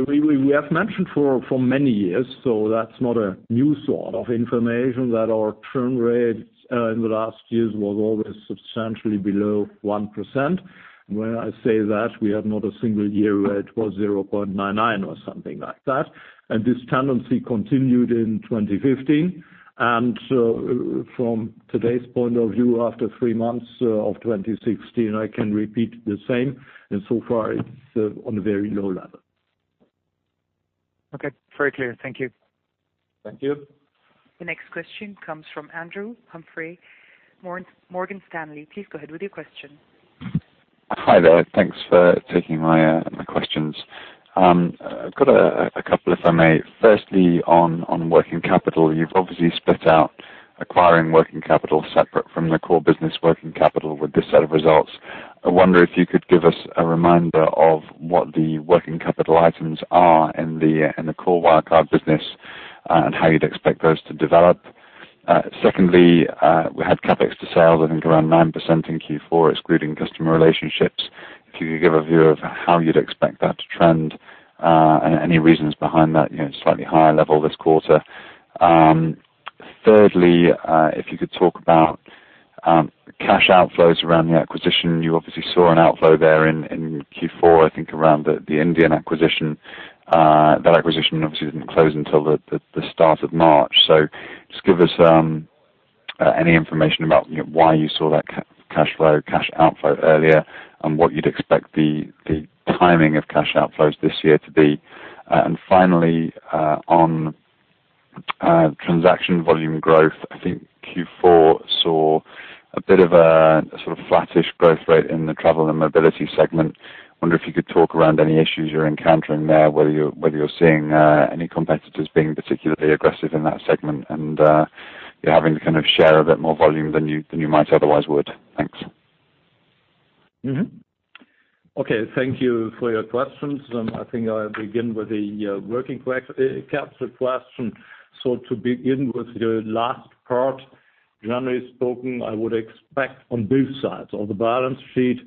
We have mentioned for many years, that's not a new sort of information that our churn rate in the last years was always substantially below 1%. When I say that, we have not a single year where it was 0.99 or something like that. This tendency continued in 2015. From today's point of view, after three months of 2016, I can repeat the same, and so far it's on a very low level. Okay. Very clear. Thank you. Thank you. The next question comes from Andrew Humphrey, Morgan Stanley. Please go ahead with your question. Hi there. Thanks for taking my questions. I've got a couple, if I may. Firstly, on working capital, you've obviously split out acquiring working capital separate from the core business working capital with this set of results. I wonder if you could give us a reminder of what the working capital items are in the core Wirecard business, and how you'd expect those to develop. Secondly, we had CapEx to sales, I think around 9% in Q4, excluding customer relationships. If you could give a view of how you'd expect that to trend, any reasons behind that slightly higher level this quarter. Thirdly, if you could talk about cash outflows around the acquisition. You obviously saw an outflow there in Q4, I think around the Indian acquisition. That acquisition obviously didn't close until the start of March. Just give us any information about why you saw that cash outflow earlier, and what you'd expect the timing of cash outflows this year to be. Finally, on transaction volume growth, I think Q4 saw a bit of a sort of flattish growth rate in the travel and mobility segment. Wonder if you could talk around any issues you're encountering there, whether you're seeing any competitors being particularly aggressive in that segment and you're having to kind of share a bit more volume than you might otherwise would. Thanks. Okay. Thank you for your questions. I think I'll begin with the working capital question. To begin with the last part, generally spoken, I would expect on both sides of the balance sheet,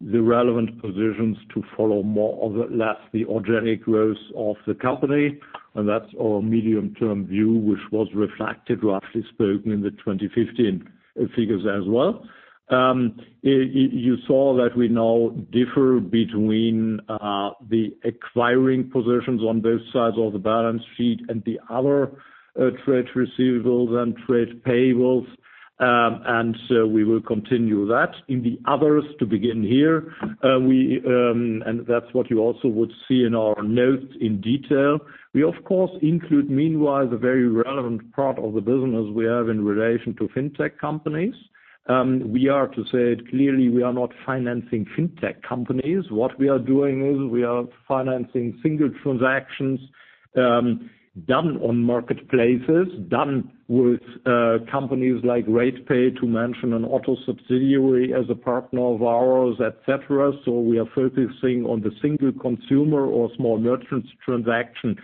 the relevant positions to follow more or less the organic growth of the company. That's our medium term view, which was reflected, roughly spoken, in the 2015 figures as well. You saw that we now differ between the acquiring positions on both sides of the balance sheet and the other trade receivables and trade payables. So we will continue that. In the others, to begin here, and that's what you also would see in our notes in detail. We of course include, meanwhile, the very relevant part of the business we have in relation to fintech companies. We are, to say it clearly, we are not financing fintech companies. What we are doing is we are financing single transactions done on marketplaces, done with companies like RatePAY, to mention an auto subsidiary as a partner of ours, et cetera. We are focusing on the single consumer or small merchants transaction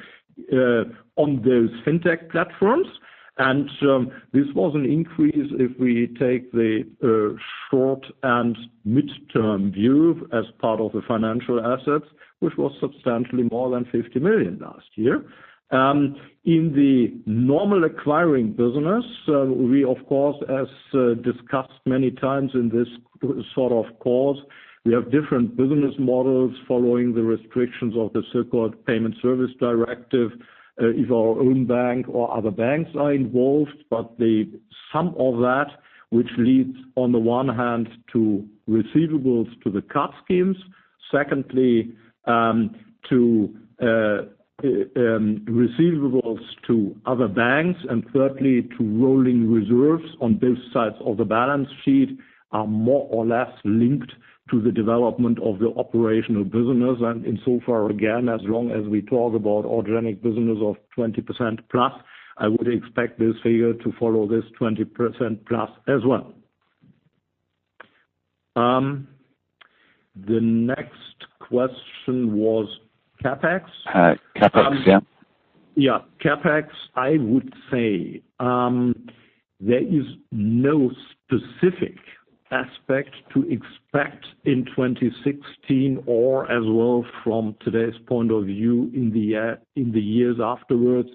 on those fintech platforms. This was an increase, if we take the short- and midterm view as part of the financial assets, which was substantially more than 50 million last year. In the normal acquiring business, we of course, as discussed many times in this sort of calls, we have different business models following the restrictions of the so-called Payment Services Directive, if our own bank or other banks are involved. The sum of that, which leads on the one hand to receivables to the card schemes, secondly, to receivables to other banks, and thirdly, to rolling reserves on both sides of the balance sheet, are more or less linked to the development of the operational business. Insofar, again, as long as we talk about organic business of 20%-plus, I would expect this figure to follow this 20%-plus as well. The next question was CapEx? CapEx, yeah. Yeah. CapEx, I would say there is no specific aspect to expect in 2016 or as well from today's point of view in the years afterwards,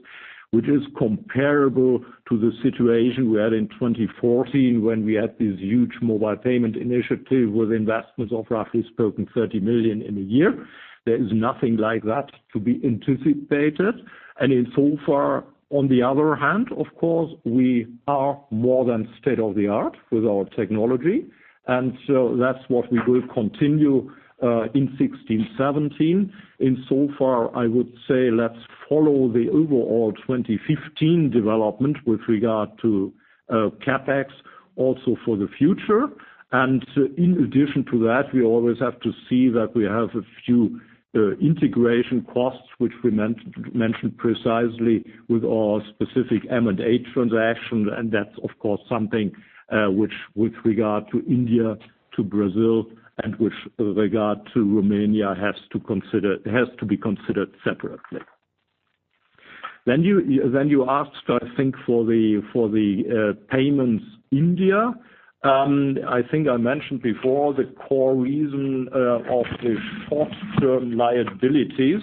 which is comparable to the situation we had in 2014 when we had this huge mobile payment initiative with investments of, roughly spoken, 30 million in a year. There is nothing like that to be anticipated. Insofar, on the other hand, of course, we are more than state-of-the-art with our technology, and so that's what we will continue in 2016, 2017. Insofar, I would say let's follow the overall 2015 development with regard to CapEx also for the future. In addition to that, we always have to see that we have a few integration costs, which we mentioned precisely with our specific M&A transaction. That's, of course, something which with regard to India, to Brazil, and with regard to Romania has to be considered separately. You asked, I think, for the payments India. I think I mentioned before the core reason of the short-term liabilities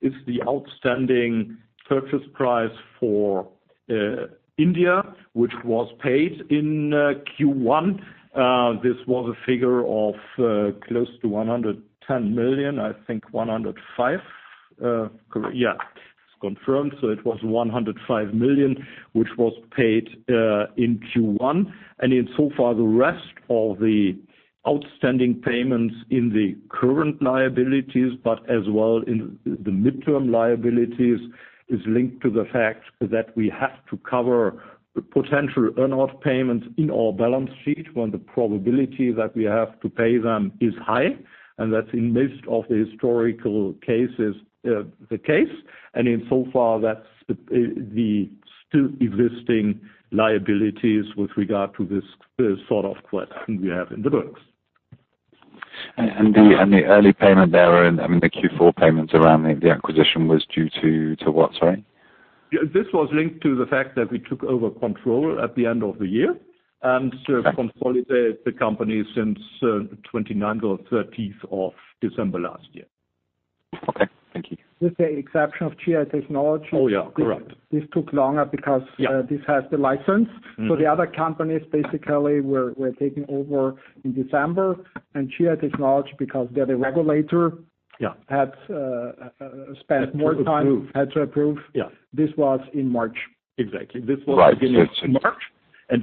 is the outstanding purchase price for India, which was paid in Q1. This was a figure of close to 110 million, I think 105 million. Yes, it's confirmed. It was 105 million, which was paid in Q1. In so far, the rest of the outstanding payments in the current liabilities, but as well in the midterm liabilities, is linked to the fact that we have to cover potential earn-out payments in our balance sheet when the probability that we have to pay them is high. That's in most of the historical cases, the case, and in so far, that's the still existing liabilities with regard to this sort of question we have in the works. The early payment there, and the Q4 payments around the acquisition was due to what, sorry? This was linked to the fact that we took over control at the end of the year and consolidated the company since 29th or 30th of December last year. Okay. Thank you. With the exception of GI Technology- Oh, yeah. Correct this took longer because- Yeah this has the license. The other companies basically were taking over in December, and GI Technology, because they're the regulator. Yeah had spent more time. Had to approve. had to approve. Yeah. This was in March. Exactly. This was the beginning of March.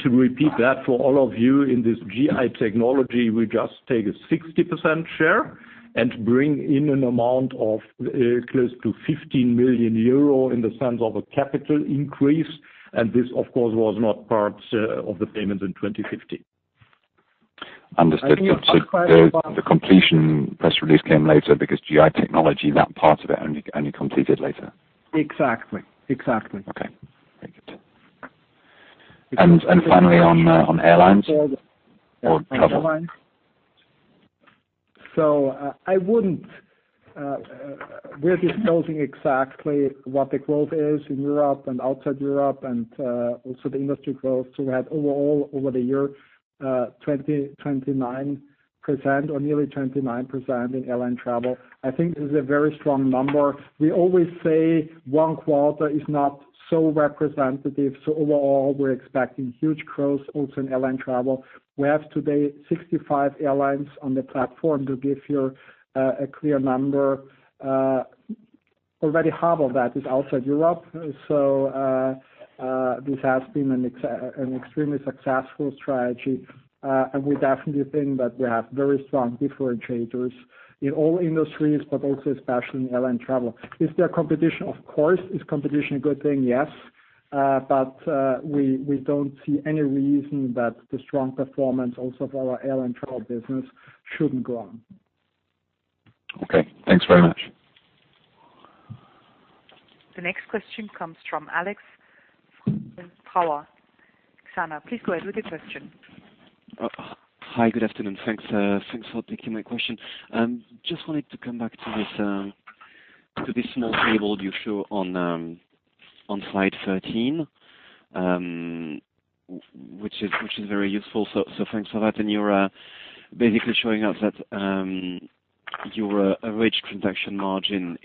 To repeat that for all of you in this GI Technology, we just take a 60% share and bring in an amount of close to 15 million euro in the sense of a capital increase. This, of course, was not part of the payment in 2015. Understood. The completion press release came later because GI Technology, that part of it only completed later. Exactly. Okay. Very good. Finally on airlines or travel. We're disclosing exactly what the growth is in Europe and outside Europe and also the industry growth. We had overall, over the year, 29% or nearly 29% in airline travel. I think this is a very strong number. We always say one quarter is not so representative. Overall, we're expecting huge growth also in airline travel. We have today 65 airlines on the platform to give you a clear number. Already half of that is outside Europe. This has been an extremely successful strategy. We definitely think that we have very strong differentiators in all industries, but also especially in airline travel. Is there competition? Of course. Is competition a good thing? Yes. We don't see any reason that the strong performance also of our airline travel business shouldn't go on. Okay. Thanks very much. The next question comes from Alex from Power. Sana, please go ahead with the question. Hi, good afternoon. Thanks for taking my question. Just wanted to come back to this small table you show on Slide 13, which is very useful. Thanks for that. You're basically showing us that your average transaction margin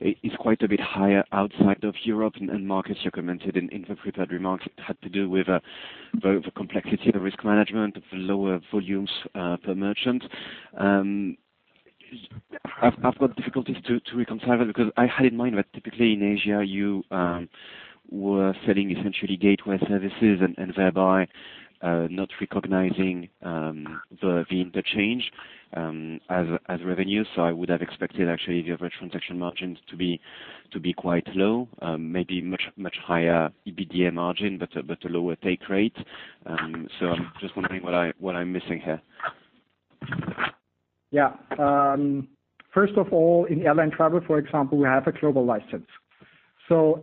is quite a bit higher outside of Europe and markets. You commented in the prepared remarks it had to do with the complexity of the risk management, the lower volumes per merchant. I've got difficulties to reconcile that because I had in mind that typically in Asia, you were selling essentially gateway services and thereby, not recognizing the interchange as revenue. I would have expected actually your transaction margins to be quite low, maybe much higher EBITDA margin, but a lower take rate. I'm just wondering what I'm missing here. First of all, in airline travel, for example, we have a global license.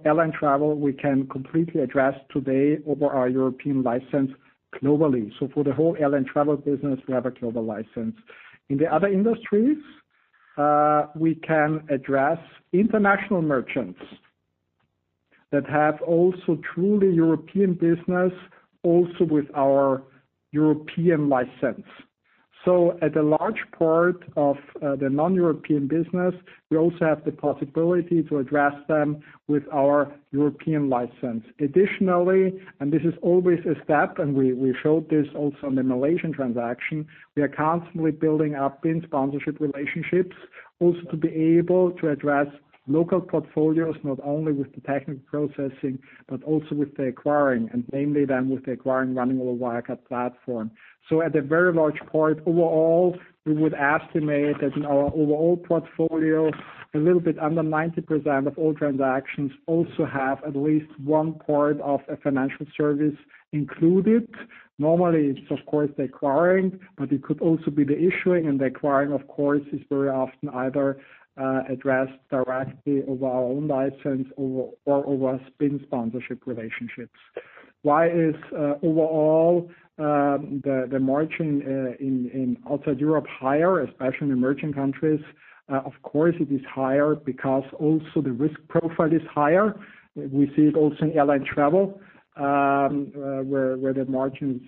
Airline travel, we can completely address today over our European license globally. For the whole airline travel business, we have a global license. In the other industries, we can address international merchants that have also truly European business also with our European license. At a large part of the non-European business, we also have the possibility to address them with our European license. Additionally, this is always a step, and we showed this also in the Malaysian transaction, we are constantly building up BIN sponsorship relationships also to be able to address local portfolios, not only with the technical processing but also with the acquiring, and mainly then with the acquiring running over Wirecard platform. At a very large part overall, we would estimate that in our overall portfolio, a little bit under 90% of all transactions also have at least one part of a financial service included. Normally, it's of course the acquiring, but it could also be the issuing and the acquiring, of course, is very often either addressed directly over our own license or over BIN sponsorship relationships. Why is overall the margin in outside Europe higher, especially in emerging countries? Of course, it is higher because also the risk profile is higher. We see it also in airline travel, where the margin's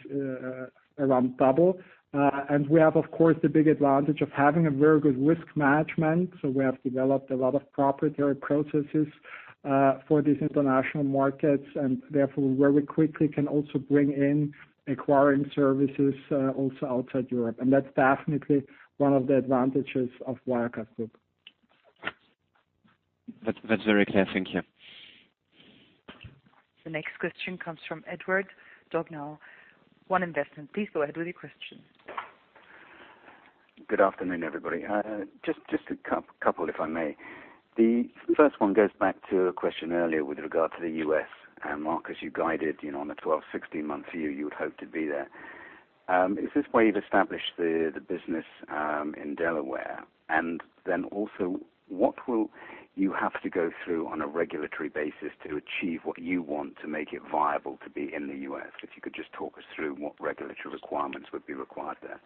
around double. We have, of course, the big advantage of having a very good risk management. We have developed a lot of proprietary processes for these international markets, and therefore, where we quickly can also bring in acquiring services also outside Europe. That's definitely one of the advantages of Wirecard Group. That's very clear. Thank you. The next question comes from Edward Dognaul, One Investment. Please go ahead with your question. Good afternoon, everybody. Just a couple, if I may. The first one goes back to a question earlier with regard to the U.S. market. You guided on the 12, 16-month view, you would hope to be there. Is this why you've established the business in Delaware? And then also, what will you have to go through on a regulatory basis to achieve what you want to make it viable to be in the U.S.? If you could just talk us through what regulatory requirements would be required there.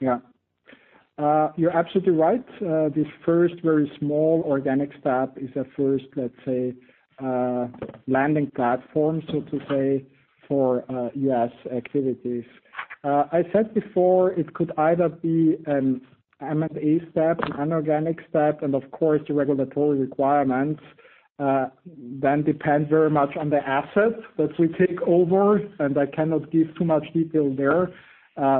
Yeah. You're absolutely right. This first very small organic step is a first, let's say, landing platform, so to say, for U.S. activities. I said before, it could either be an M&A step, an inorganic step, and of course, the regulatory requirements then depend very much on the asset that we take over, and I cannot give too much detail there.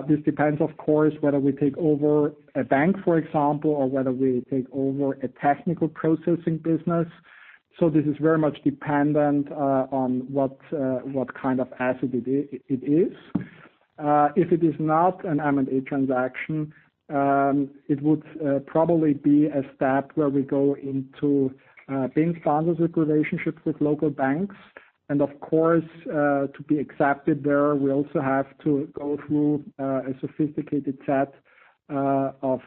This depends, of course, whether we take over a bank, for example, or whether we take over a technical processing business. This is very much dependent on what kind of asset it is. If it is not an M&A transaction, it would probably be a step where we go into BIN sponsors with relationships with local banks. Of course, to be accepted there, we also have to go through a sophisticated set of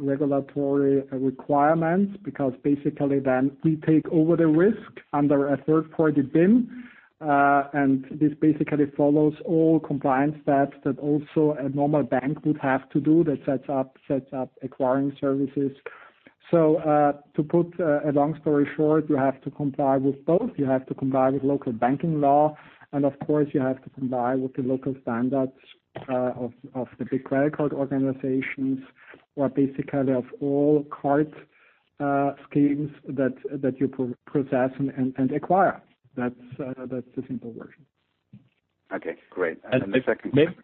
regulatory requirements, because basically then we take over the risk under a third-party BIN. This basically follows all compliance steps that also a normal bank would have to do that sets up acquiring services. To put a long story short, you have to comply with both. You have to comply with local banking law, and of course, you have to comply with the local standards of the big credit card organizations, or basically of all card schemes that you process and acquire. That's the simple version. Okay, great. The second-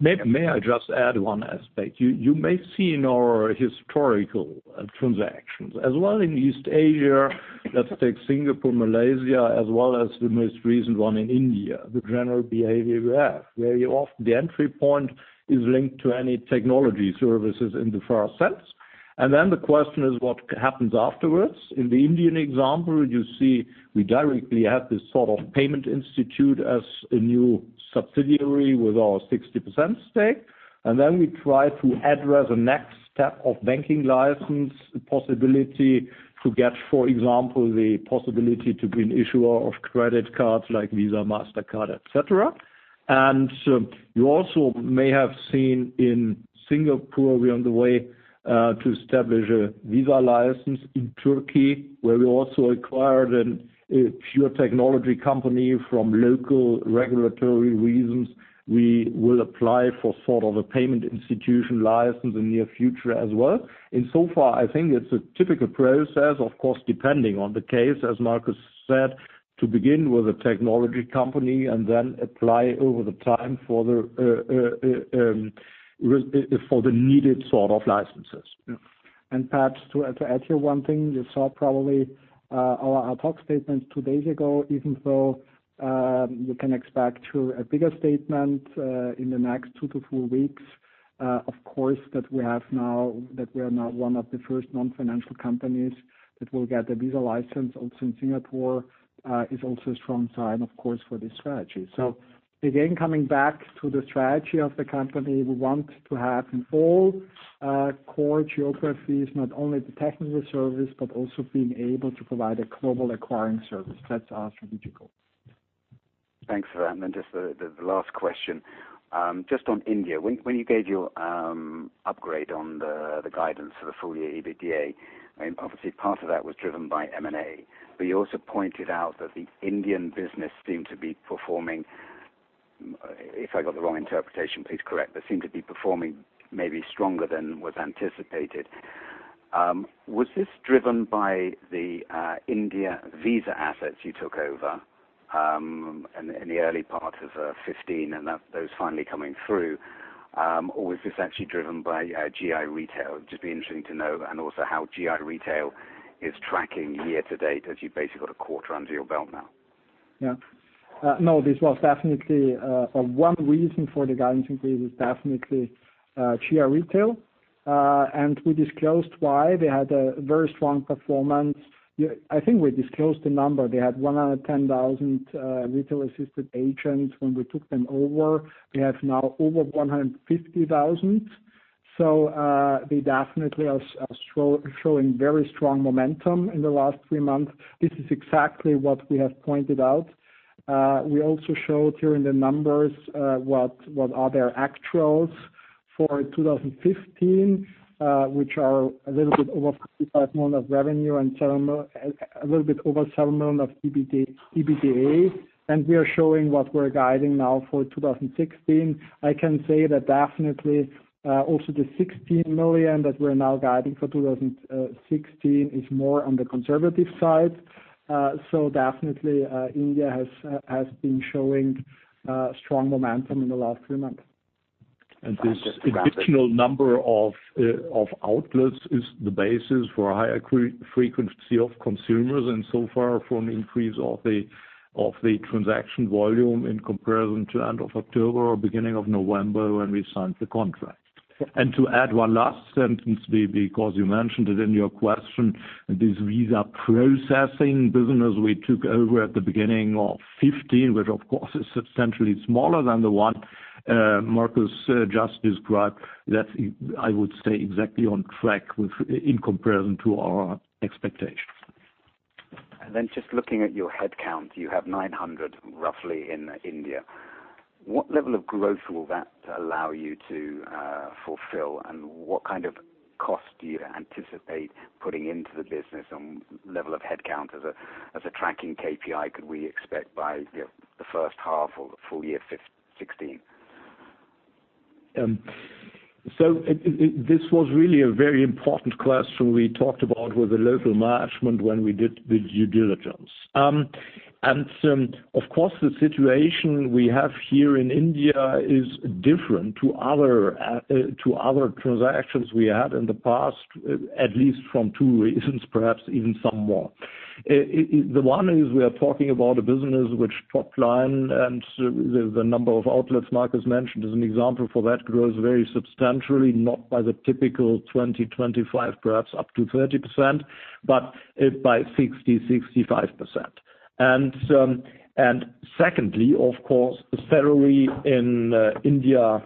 May I just add one aspect? You may see in our historical transactions, as well in East Asia, let's take Singapore, Malaysia, as well as the most recent one in India, the general behavior we have, where you off the entry point is linked to any technology services in the first sense. Then the question is what happens afterwards? In the Indian example, you see we directly have this sort of payment institute as a new subsidiary with our 60% stake. Then we try to address the next step of banking license possibility to get, for example, the possibility to be an issuer of credit cards like Visa, Mastercard, et cetera. You also may have seen in Singapore, we're on the way to establish a Visa license in Turkey, where we also acquired a pure technology company from local regulatory reasons. We will apply for sort of a payment institution license in the near future as well. Insofar, I think it's a typical process, of course, depending on the case, as Markus said, to begin with a technology company and then apply over the time for the needed sort of licenses. You saw probably our talk statements two days ago, even though you can expect a bigger statement in the next two to four weeks. Of course, that we are now one of the first non-financial companies that will get a Visa license. Also in Singapore, is also a strong sign, of course, for this strategy. Again, coming back to the strategy of the company, we want to have in all core geographies, not only the technical service, but also being able to provide a global acquiring service. That's our strategic goal. Thanks for that. Just the last question. Just on India, when you gave your upgrade on the guidance for the full year EBITDA, obviously part of that was driven by M&A. You also pointed out that the Indian business seemed to be performing, if I got the wrong interpretation, please correct, but seemed to be performing maybe stronger than was anticipated. Was this driven by the India Visa assets you took over in the early part of 2015, and those finally coming through? Or is this actually driven by GI Retail? It'd just be interesting to know, and also how GI Retail is tracking year to date as you've basically got a quarter under your belt now. No, this was definitely, one reason for the guidance increase was definitely GI Retail. We disclosed why they had a very strong performance. I think we disclosed the number. They had 110,000 retail assisted agents when we took them over. They have now over 150,000. They definitely are showing very strong momentum in the last three months. This is exactly what we have pointed out. We also showed here in the numbers what are their actuals for 2015, which are a little bit over 55 million of revenue and a little bit over 7 million of EBITDA. We are showing what we're guiding now for 2016. I can say that definitely, also the 16 million that we're now guiding for 2016 is more on the conservative side. Definitely, India has been showing strong momentum in the last three months. This additional number of outlets is the basis for a higher frequency of consumers and so far from increase of the transaction volume in comparison to end of October or beginning of November, when we signed the contract. To add one last sentence, because you mentioned it in your question, this Visa Processing Services business we took over at the beginning of 2015, which of course is substantially smaller than the one Markus just described. That's, I would say, exactly on track in comparison to our expectations. Just looking at your headcount, you have 900, roughly, in India. What level of growth will that allow you to fulfill, and what kind of cost do you anticipate putting into the business on level of headcount as a tracking KPI could we expect by the first half or the full year 2016? This was really a very important question we talked about with the local management when we did the due diligence. Of course, the situation we have here in India is different to other transactions we had in the past, at least from 2 reasons, perhaps even some more. The one is we are talking about a business which top line and the number of outlets Markus mentioned as an example for that grows very substantially, not by the typical 20%, 25%, perhaps up to 30%, but by 60%, 65%. Secondly, of course, salary in India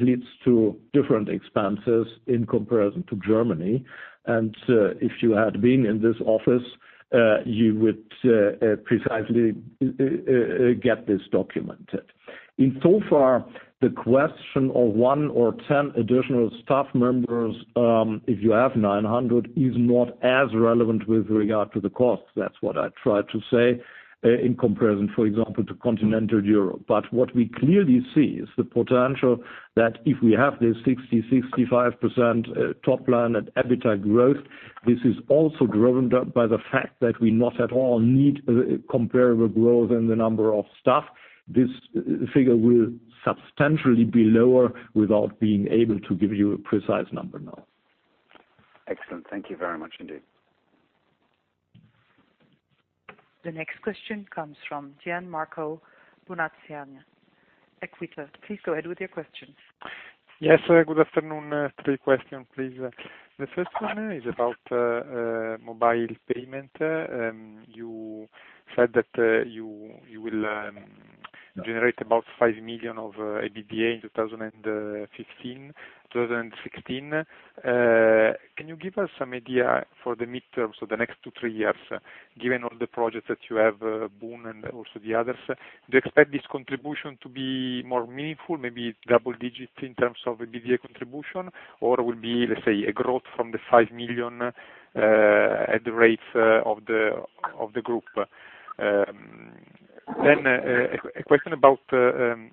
leads to different expenses in comparison to Germany. If you had been in this office, you would precisely get this documented. In so far, the question of one or 10 additional staff members, if you have 900, is not as relevant with regard to the cost. That's what I try to say, in comparison, for example, to continental Europe. What we clearly see is the potential that if we have this 60%, 65% top line and EBITDA growth, this is also driven up by the fact that we not at all need comparable growth in the number of staff. This figure will substantially be lower without being able to give you a precise number now. Excellent. Thank you very much indeed. The next question comes from Gianmarco Bonazzoli, Equita. Please go ahead with your question. Yes. Good afternoon. Three question, please. The first one is about mobile payment. You said that you will generate about 5 million of EBITDA in 2016. Can you give us some idea for the midterm, so the next 2-3 years, given all the projects that you have, boon. and also the others? Do you expect this contribution to be more meaningful, maybe double-digit in terms of EBITDA contribution? Or will be, let's say, a growth from the 5 million at the rates of the group? A question about the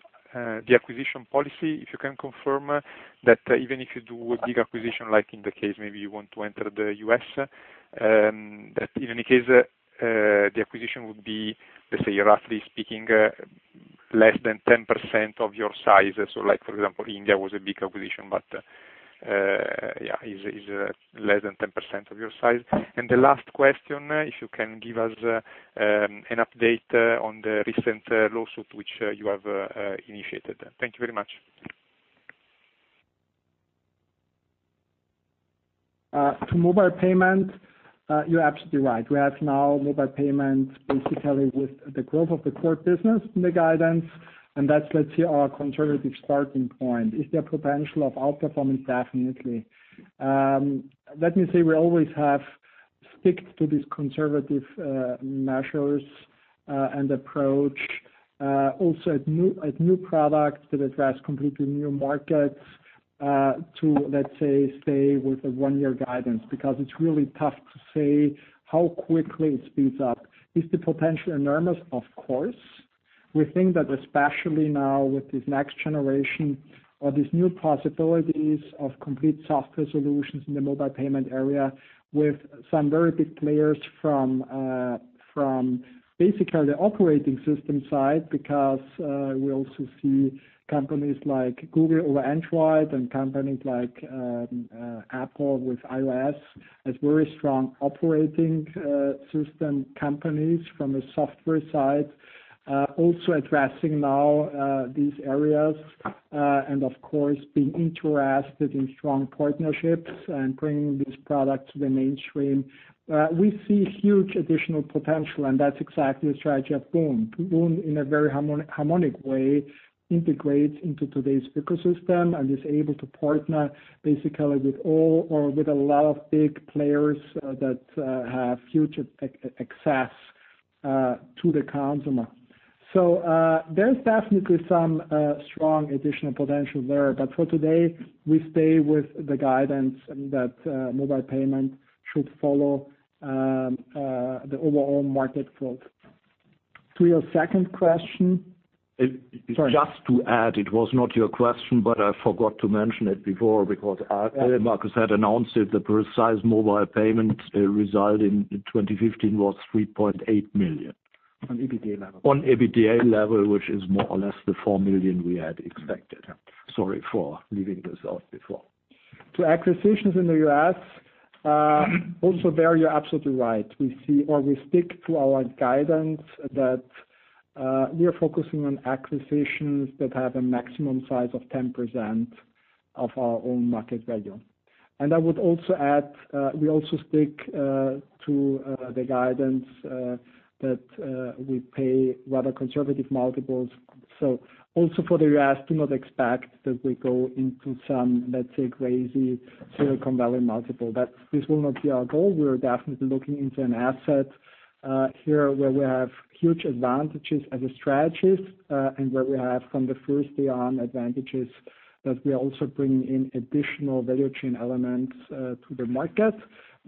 acquisition policy. If you can confirm that even if you do a big acquisition, like in the case, maybe you want to enter the U.S., that in any case, the acquisition would be, let's say, roughly speaking, less than 10% of your size. Like, for example, India was a big acquisition, but is less than 10% of your size. The last question, if you can give us an update on the recent lawsuit which you have initiated. Thank you very much. To mobile payment, you're absolutely right. We have now mobile payment basically with the growth of the core business in the guidance, and that's, let's say, our conservative starting point. Is there potential of outperformance? Definitely. Let me say we always have sticked to these conservative measures and approach. Also at new products that address completely new markets to, let's say, stay with a one-year guidance, because it's really tough to say how quickly it speeds up. Is the potential enormous? Of course. We think that especially now with this next generation or these new possibilities of complete software solutions in the mobile payment area with some very big players from basically the operating system side, because we also see companies like Google with Android and companies like Apple with iOS as very strong operating system companies from a software side, also addressing now these areas. Of course, being interested in strong partnerships and bringing this product to the mainstream. We see huge additional potential, and that's exactly the strategy of Boon. Boon in a very harmonic way integrates into today's ecosystem and is able to partner basically with all or with a lot of big players that have future access to the consumer. There's definitely some strong additional potential there. For today, we stay with the guidance that mobile payment should follow the overall market growth. To your second question- Just to add, it was not your question, but I forgot to mention it before because Markus had announced it, the precise mobile payment result in 2015 was 3.8 million. On EBITDA level. On EBITDA level, which is more or less the four million we had expected. Sorry for leaving this out before. To acquisitions in the U.S., also there you are absolutely right. We stick to our guidance that we are focusing on acquisitions that have a maximum size of 10% of our own market value. I would also add, we also stick to the guidance that we pay rather conservative multiples. Also for the U.S., do not expect that we go into some, let's say, crazy Silicon Valley multiple. This will not be our goal. We are definitely looking into an asset here where we have huge advantages as a strategist and where we have from the first day on advantages that we are also bringing in additional value chain elements to the market.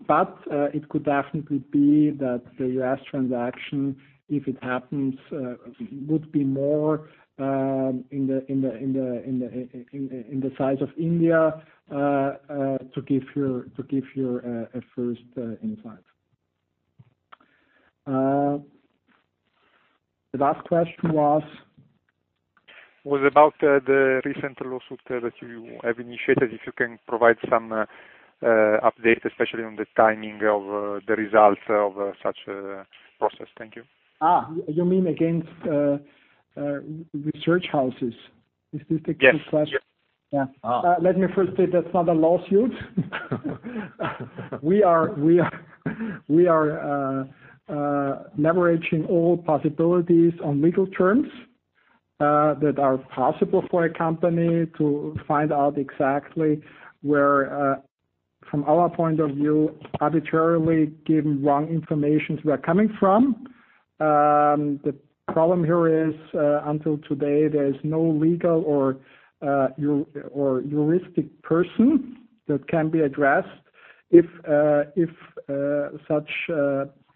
It could definitely be that the U.S. transaction, if it happens, would be more in the size of India to give you a first insight. The last question was? It was about the recent lawsuit that you have initiated. If you can provide some update, especially on the timing of the results of such a process. Thank you. You mean against research houses? Is this the question? Yes. Yeah. Let me first say that is not a lawsuit. We are leveraging all possibilities on legal terms that are possible for a company to find out exactly where, from our point of view, arbitrarily given wrong information were coming from. The problem here is, until today, there is no legal or juristic person that can be addressed. If such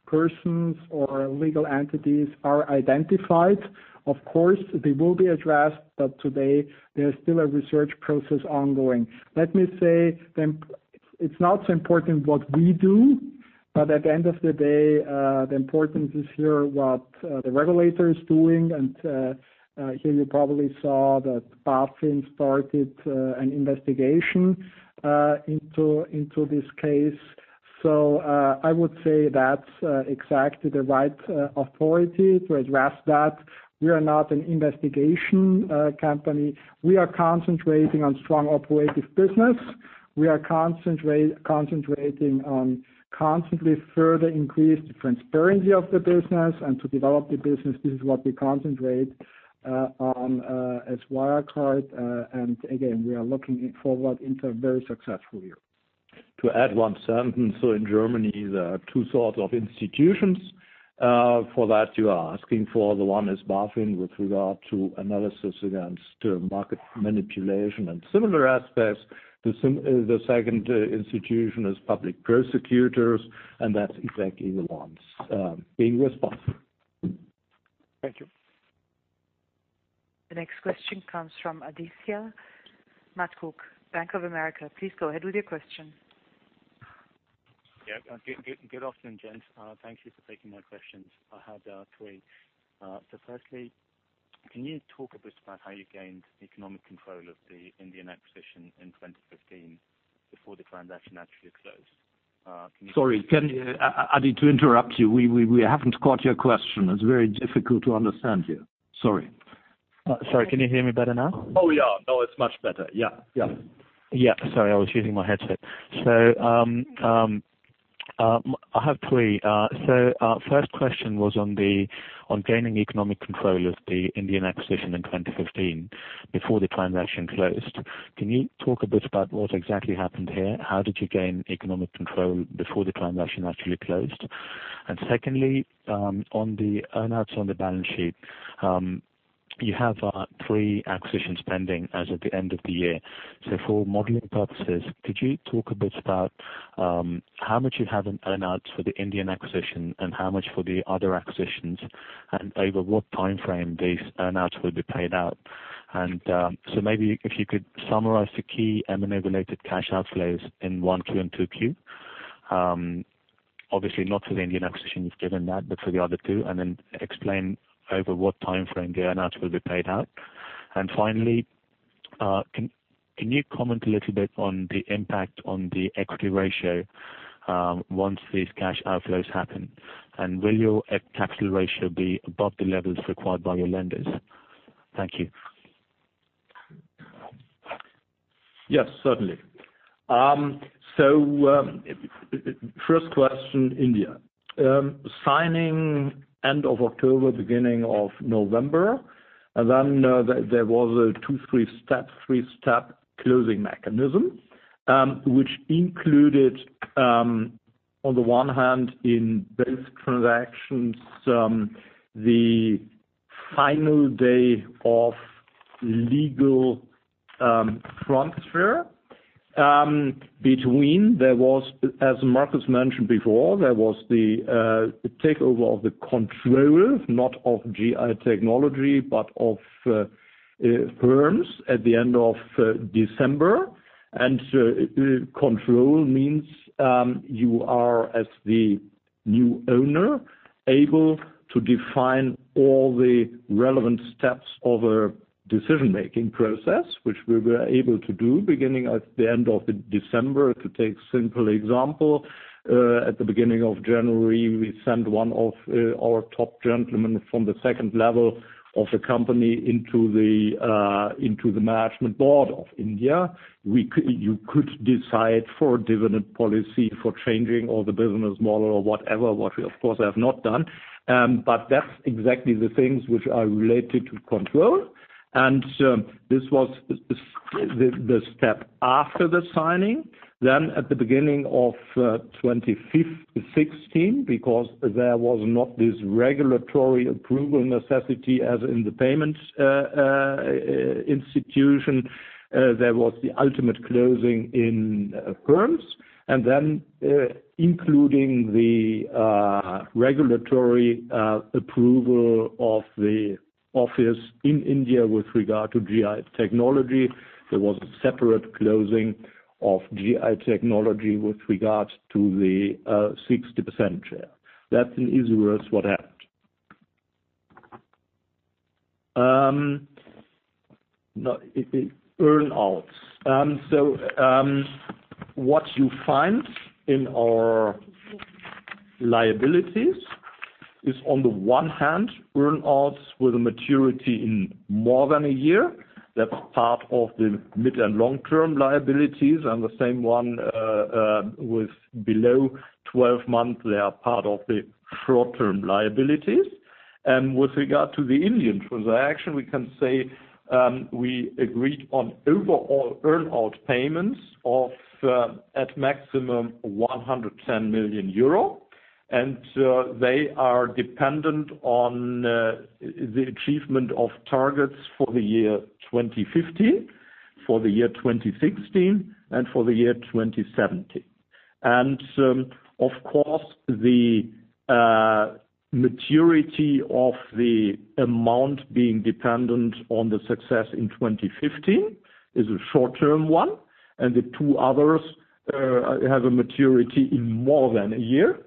persons or legal entities are identified, of course, they will be addressed, but today there is still a research process ongoing. Let me say, it is not so important what we do, but at the end of the day, the importance is here what the regulator is doing and here you probably saw that BaFin started an investigation into this case. I would say that is exactly the right authority to address that. We are not an investigation company. We are concentrating on strong operative business. We are concentrating on constantly further increase the transparency of the business and to develop the business. This is what we concentrate on as Wirecard. Again, we are looking forward into a very successful year. To add one sentence. In Germany, there are two sorts of institutions for that you are asking for. The one is BaFin with regard to analysis against market manipulation and similar aspects. The second institution is public prosecutors, and that's exactly the ones being responsible. Thank you. The next question comes from Aditya Mathur, Bank of America. Please go ahead with your question. Good afternoon, gents. Thank you for taking my questions. I have three. Firstly, can you talk a bit about how you gained economic control of the Indian acquisition in 2015 before the transaction actually closed? Sorry, Adi, to interrupt you. We haven't caught your question. It's very difficult to understand you. Sorry. Sorry. Can you hear me better now? Yeah. Now it's much better. Yeah. Yeah. Sorry, I was using my headset. I have three. First question was on gaining economic control of the Indian acquisition in 2015 before the transaction closed. Can you talk a bit about what exactly happened here? How did you gain economic control before the transaction actually closed? Secondly, on the earn-outs on the balance sheet. You have three acquisitions pending as of the end of the year. For modeling purposes, could you talk a bit about how much you have in earn-outs for the Indian acquisition and how much for the other acquisitions, and over what timeframe these earn-outs will be paid out? Maybe if you could summarize the key M&A related cash outflows in 1Q and 2Q. Obviously, not for the Indian acquisition, you've given that, but for the other two, explain over what timeframe the earn-outs will be paid out. Finally, can you comment a little bit on the impact on the equity ratio once these cash outflows happen, will your capital ratio be above the levels required by your lenders? Thank you. Yes, certainly. First question, India. Signing end of October, beginning of November. There was a two-three step closing mechanism, which included on the one hand, in those transactions, the final day of legal transfer. Between, as Markus mentioned before, there was the takeover of the control, not of GI Technology, but of Hermes at the end of December. Control means you are, as the new owner, able to define all the relevant steps of a decision-making process, which we were able to do beginning at the end of December. To take a simple example, at the beginning of January, we sent one of our top gentlemen from the second level of the company into the management board of India. You could decide for a dividend policy for changing or the business model or whatever, what we, of course, have not done. That's exactly the things which are related to control. This was the step after the signing. At the beginning of 2016, because there was not this regulatory approval necessity as in the payment institution, there was the ultimate closing in Hermes. Including the regulatory approval of the office in India with regard to GI Technology, there was a separate closing of GI Technology with regards to the 60% share. That's in easy words what happened. Earn-outs. What you find in our liabilities is on the one hand, earn-outs with a maturity in more than a year. That's part of the mid- and long-term liabilities, and the same one with below 12 months, they are part of the short-term liabilities. With regard to the Indian transaction, we can say we agreed on overall earn-out payments of at maximum 110 million euro. They are dependent on the achievement of targets for the year 2015, for the year 2016, and for the year 2017. Of course, the maturity of the amount being dependent on the success in 2015 is a short-term one, and the two others have a maturity in more than a year.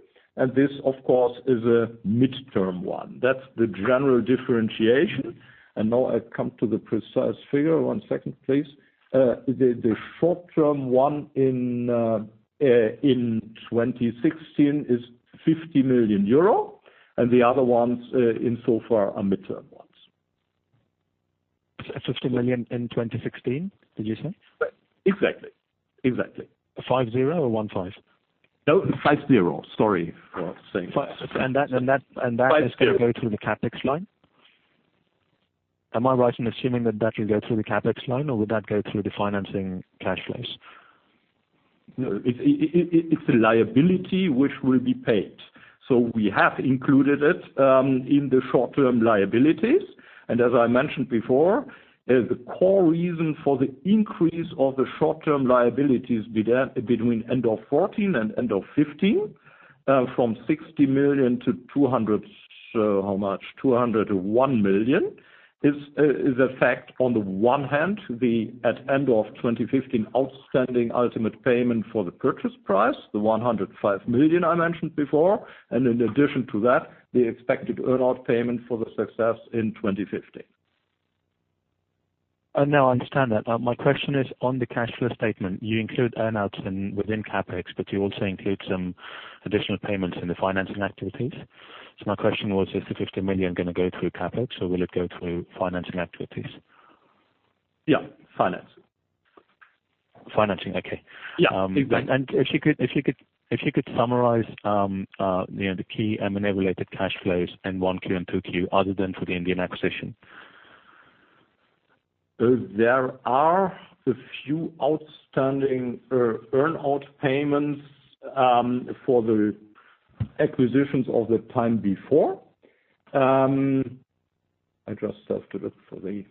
This, of course, is a midterm one. That's the general differentiation. Now I come to the precise figure. One second, please. The short-term one in 2016 is 50 million euro, and the other ones insofar are midterm ones. 50 million in 2016, did you say? Exactly. Five zero or one five? No, five zero. Sorry for saying five. And that- EUR 50 That EUR 50 is going to go through the CapEx line? Am I right in assuming that will go through the CapEx line, or would that go through the financing cash flows? No. It's a liability which will be paid. We have included it in the short-term liabilities. As I mentioned before, the core reason for the increase of the short-term liabilities between end of 2014 and end of 2015, from 60 million to 201 million, is a fact on the one hand, the at end of 2015 outstanding ultimate payment for the purchase price, the 105 million I mentioned before. In addition to that, the expected earn-out payment for the success in 2015. No, I understand that. My question is on the cash flow statement. You include earn-outs within CapEx, but you also include some additional payments in the financing activities. My question was, is the 50 million going to go through CapEx, or will it go through financing activities? Yeah. Finance. Financing, okay. Yeah, exactly. If you could summarize the key M&A-related cash flows in 1Q and 2Q other than for the Indian acquisition. There are a few outstanding earn-out payments for the acquisitions of the time before. I just have to look for the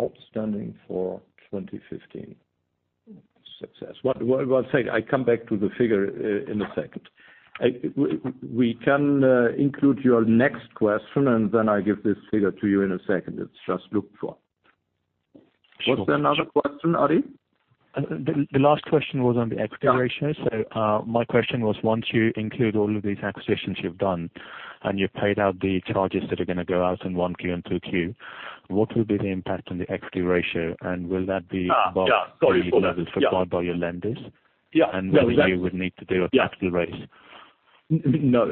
outstanding for 2015 success. One second. I come back to the figure in a second. We can include your next question, then I give this figure to you in a second. It's just looked for. Sure. Was there another question, Ari? The last question was on the equity ratio. Yeah. my question was, once you include all of these acquisitions you've done and you paid out the charges that are going to go out in 1Q and 2Q, what will be the impact on the equity ratio and will that be yeah. Sorry for above the levels supplied by your lenders? Yeah. whether you would need to do a capital raise? No.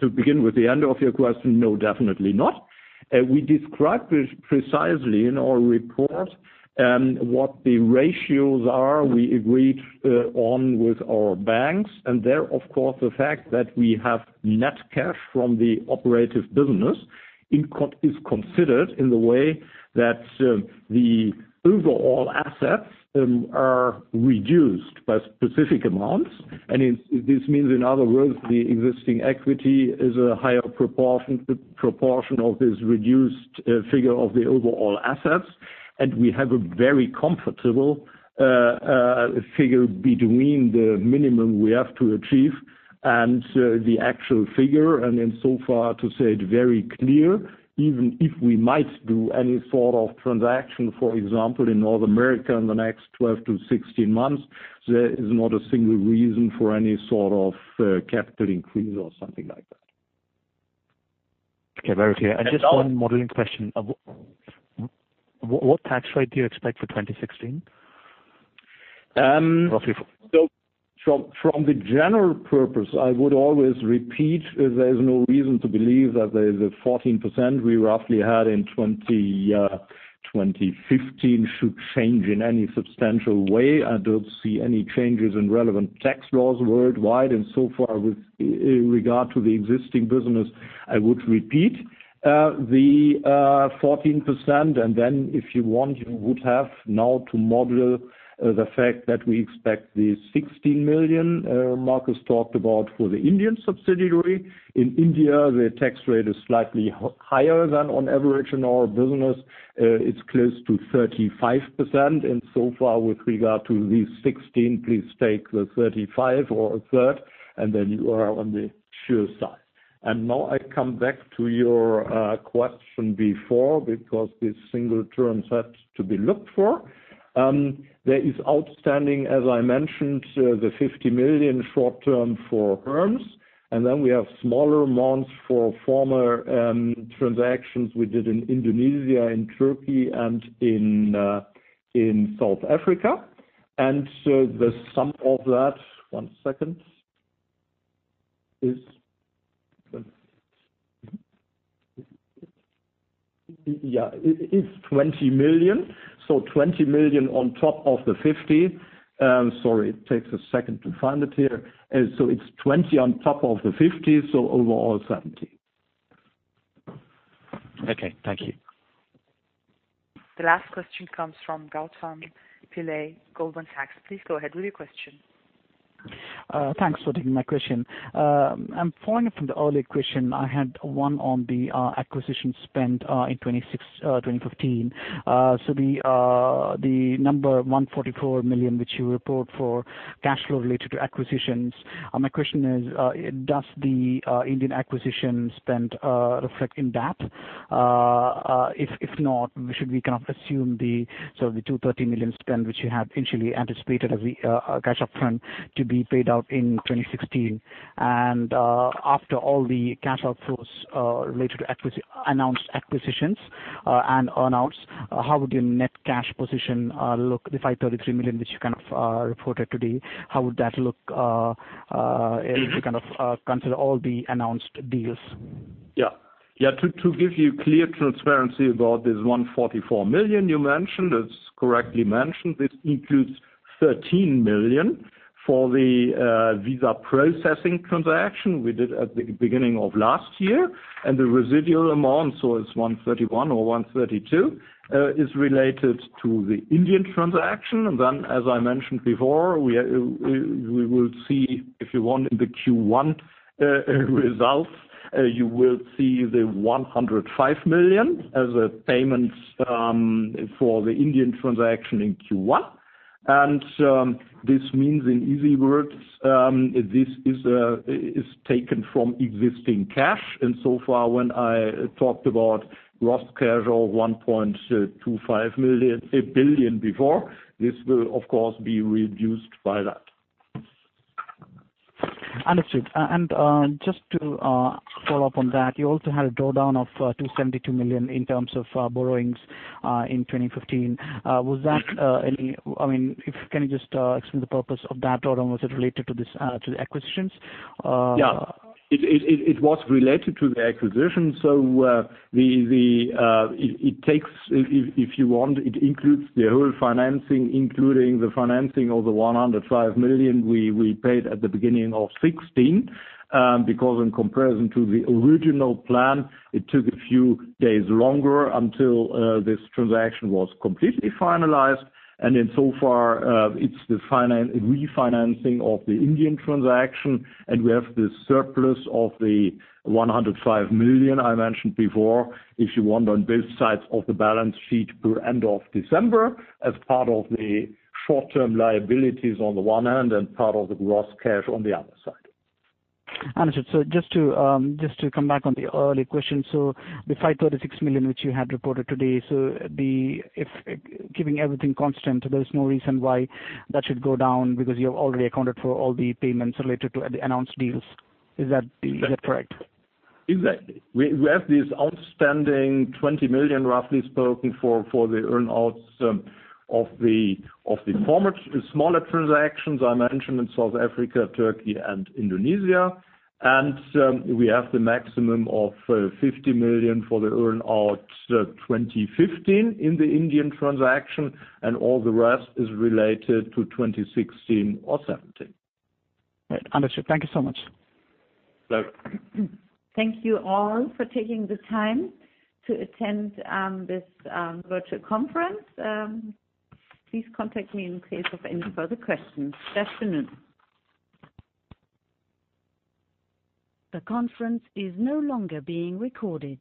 To begin with the end of your question, no, definitely not. We described this precisely in our report, what the ratios are we agreed on with our banks. There, of course, the fact that we have net cash from the operative business is considered in the way that the overall assets are reduced by specific amounts. This means, in other words, the existing equity is a higher proportion of this reduced figure of the overall assets. We have a very comfortable figure between the minimum we have to achieve and the actual figure. In so far to say it very clear, even if we might do any sort of transaction, for example, in North America in the next 12 to 16 months, there is not a single reason for any sort of capital increase or something like that. Okay. Very clear. Just one modeling question. What tax rate do you expect for 2016? Roughly. From the general purpose, I would always repeat, there is no reason to believe that there is a 14% we roughly had in 2015 should change in any substantial way. I don't see any changes in relevant tax laws worldwide. So far with regard to the existing business, I would repeat the 14%. If you want, you would have now to model the fact that we expect the 16 million Markus talked about for the Indian subsidiary. In India, the tax rate is slightly higher than on average in our business. It's close to 35%. So far with regard to the 16 million, please take the 35% or a third, then you are on the sure side. I come back to your question before, because this single term has to be looked for. There is outstanding, as I mentioned, the 50 million short-term for Hermes. We have smaller amounts for former transactions we did in Indonesia and Turkey and in South Africa. The sum of that, one second. Yeah. It's 20 million. 20 million on top of the 50 million. Sorry, it takes a second to find it here. It's 20 million on top of the 50 million. Overall 70 million. Okay. Thank you. The last question comes from Gautam Pillay, Goldman Sachs. Please go ahead with your question. Thanks for taking my question. Following up from the earlier question, I had one on the acquisition spend in 2015. The number 144 million, which you report for cash flow related to acquisitions. My question is, does the Indian acquisition spend reflect in that? If not, should we assume the 230 million spend, which you had initially anticipated as a cash upfront to be paid out in 2016. After all the cash outflows related to announced acquisitions and earn-outs, how would your net cash position look, the 533 million, which you reported today, how would that look if you consider all the announced deals? To give you clear transparency about this 144 million you mentioned, it's correctly mentioned. This includes 13 million for the Visa processing transaction we did at the beginning of last year. The residual amount, it's 131 or 132, is related to the Indian transaction. As I mentioned before, we will see if you want in the Q1 results, you will see the 105 million as a payment for the Indian transaction in Q1. This means in easy words, this is taken from existing cash. When I talked about gross cash of 1.25 billion before, this will of course be reduced by that. Understood. Just to follow up on that, you also had a drawdown of 272 million in terms of borrowings in 2015. Can you just explain the purpose of that drawdown? Was it related to the acquisitions? Yeah. It was related to the acquisition. It takes, if you want, it includes the whole financing, including the financing of the 105 million we paid at the beginning of 2016. In comparison to the original plan, it took a few days longer until this transaction was completely finalized. In so far, it's the refinancing of the Indian transaction. We have this surplus of the 105 million I mentioned before, if you want, on both sides of the balance sheet per end of December as part of the short-term liabilities on the one hand, and part of the gross cash on the other side. Understood. Just to come back on the earlier question. The 536 million, which you had reported today. Keeping everything constant, there is no reason why that should go down because you have already accounted for all the payments related to the announced deals. Is that correct? Exactly. We have this outstanding 20 million roughly spoken for the earn-outs of the former smaller transactions I mentioned in South Africa, Turkey, and Indonesia. We have the maximum of 50 million for the earn-outs 2015 in the Indian transaction, and all the rest is related to 2016 or 2017. Understood. Thank you so much. Sure. Thank you all for taking the time to attend this virtual conference. Please contact me in case of any further questions. The conference is no longer being recorded.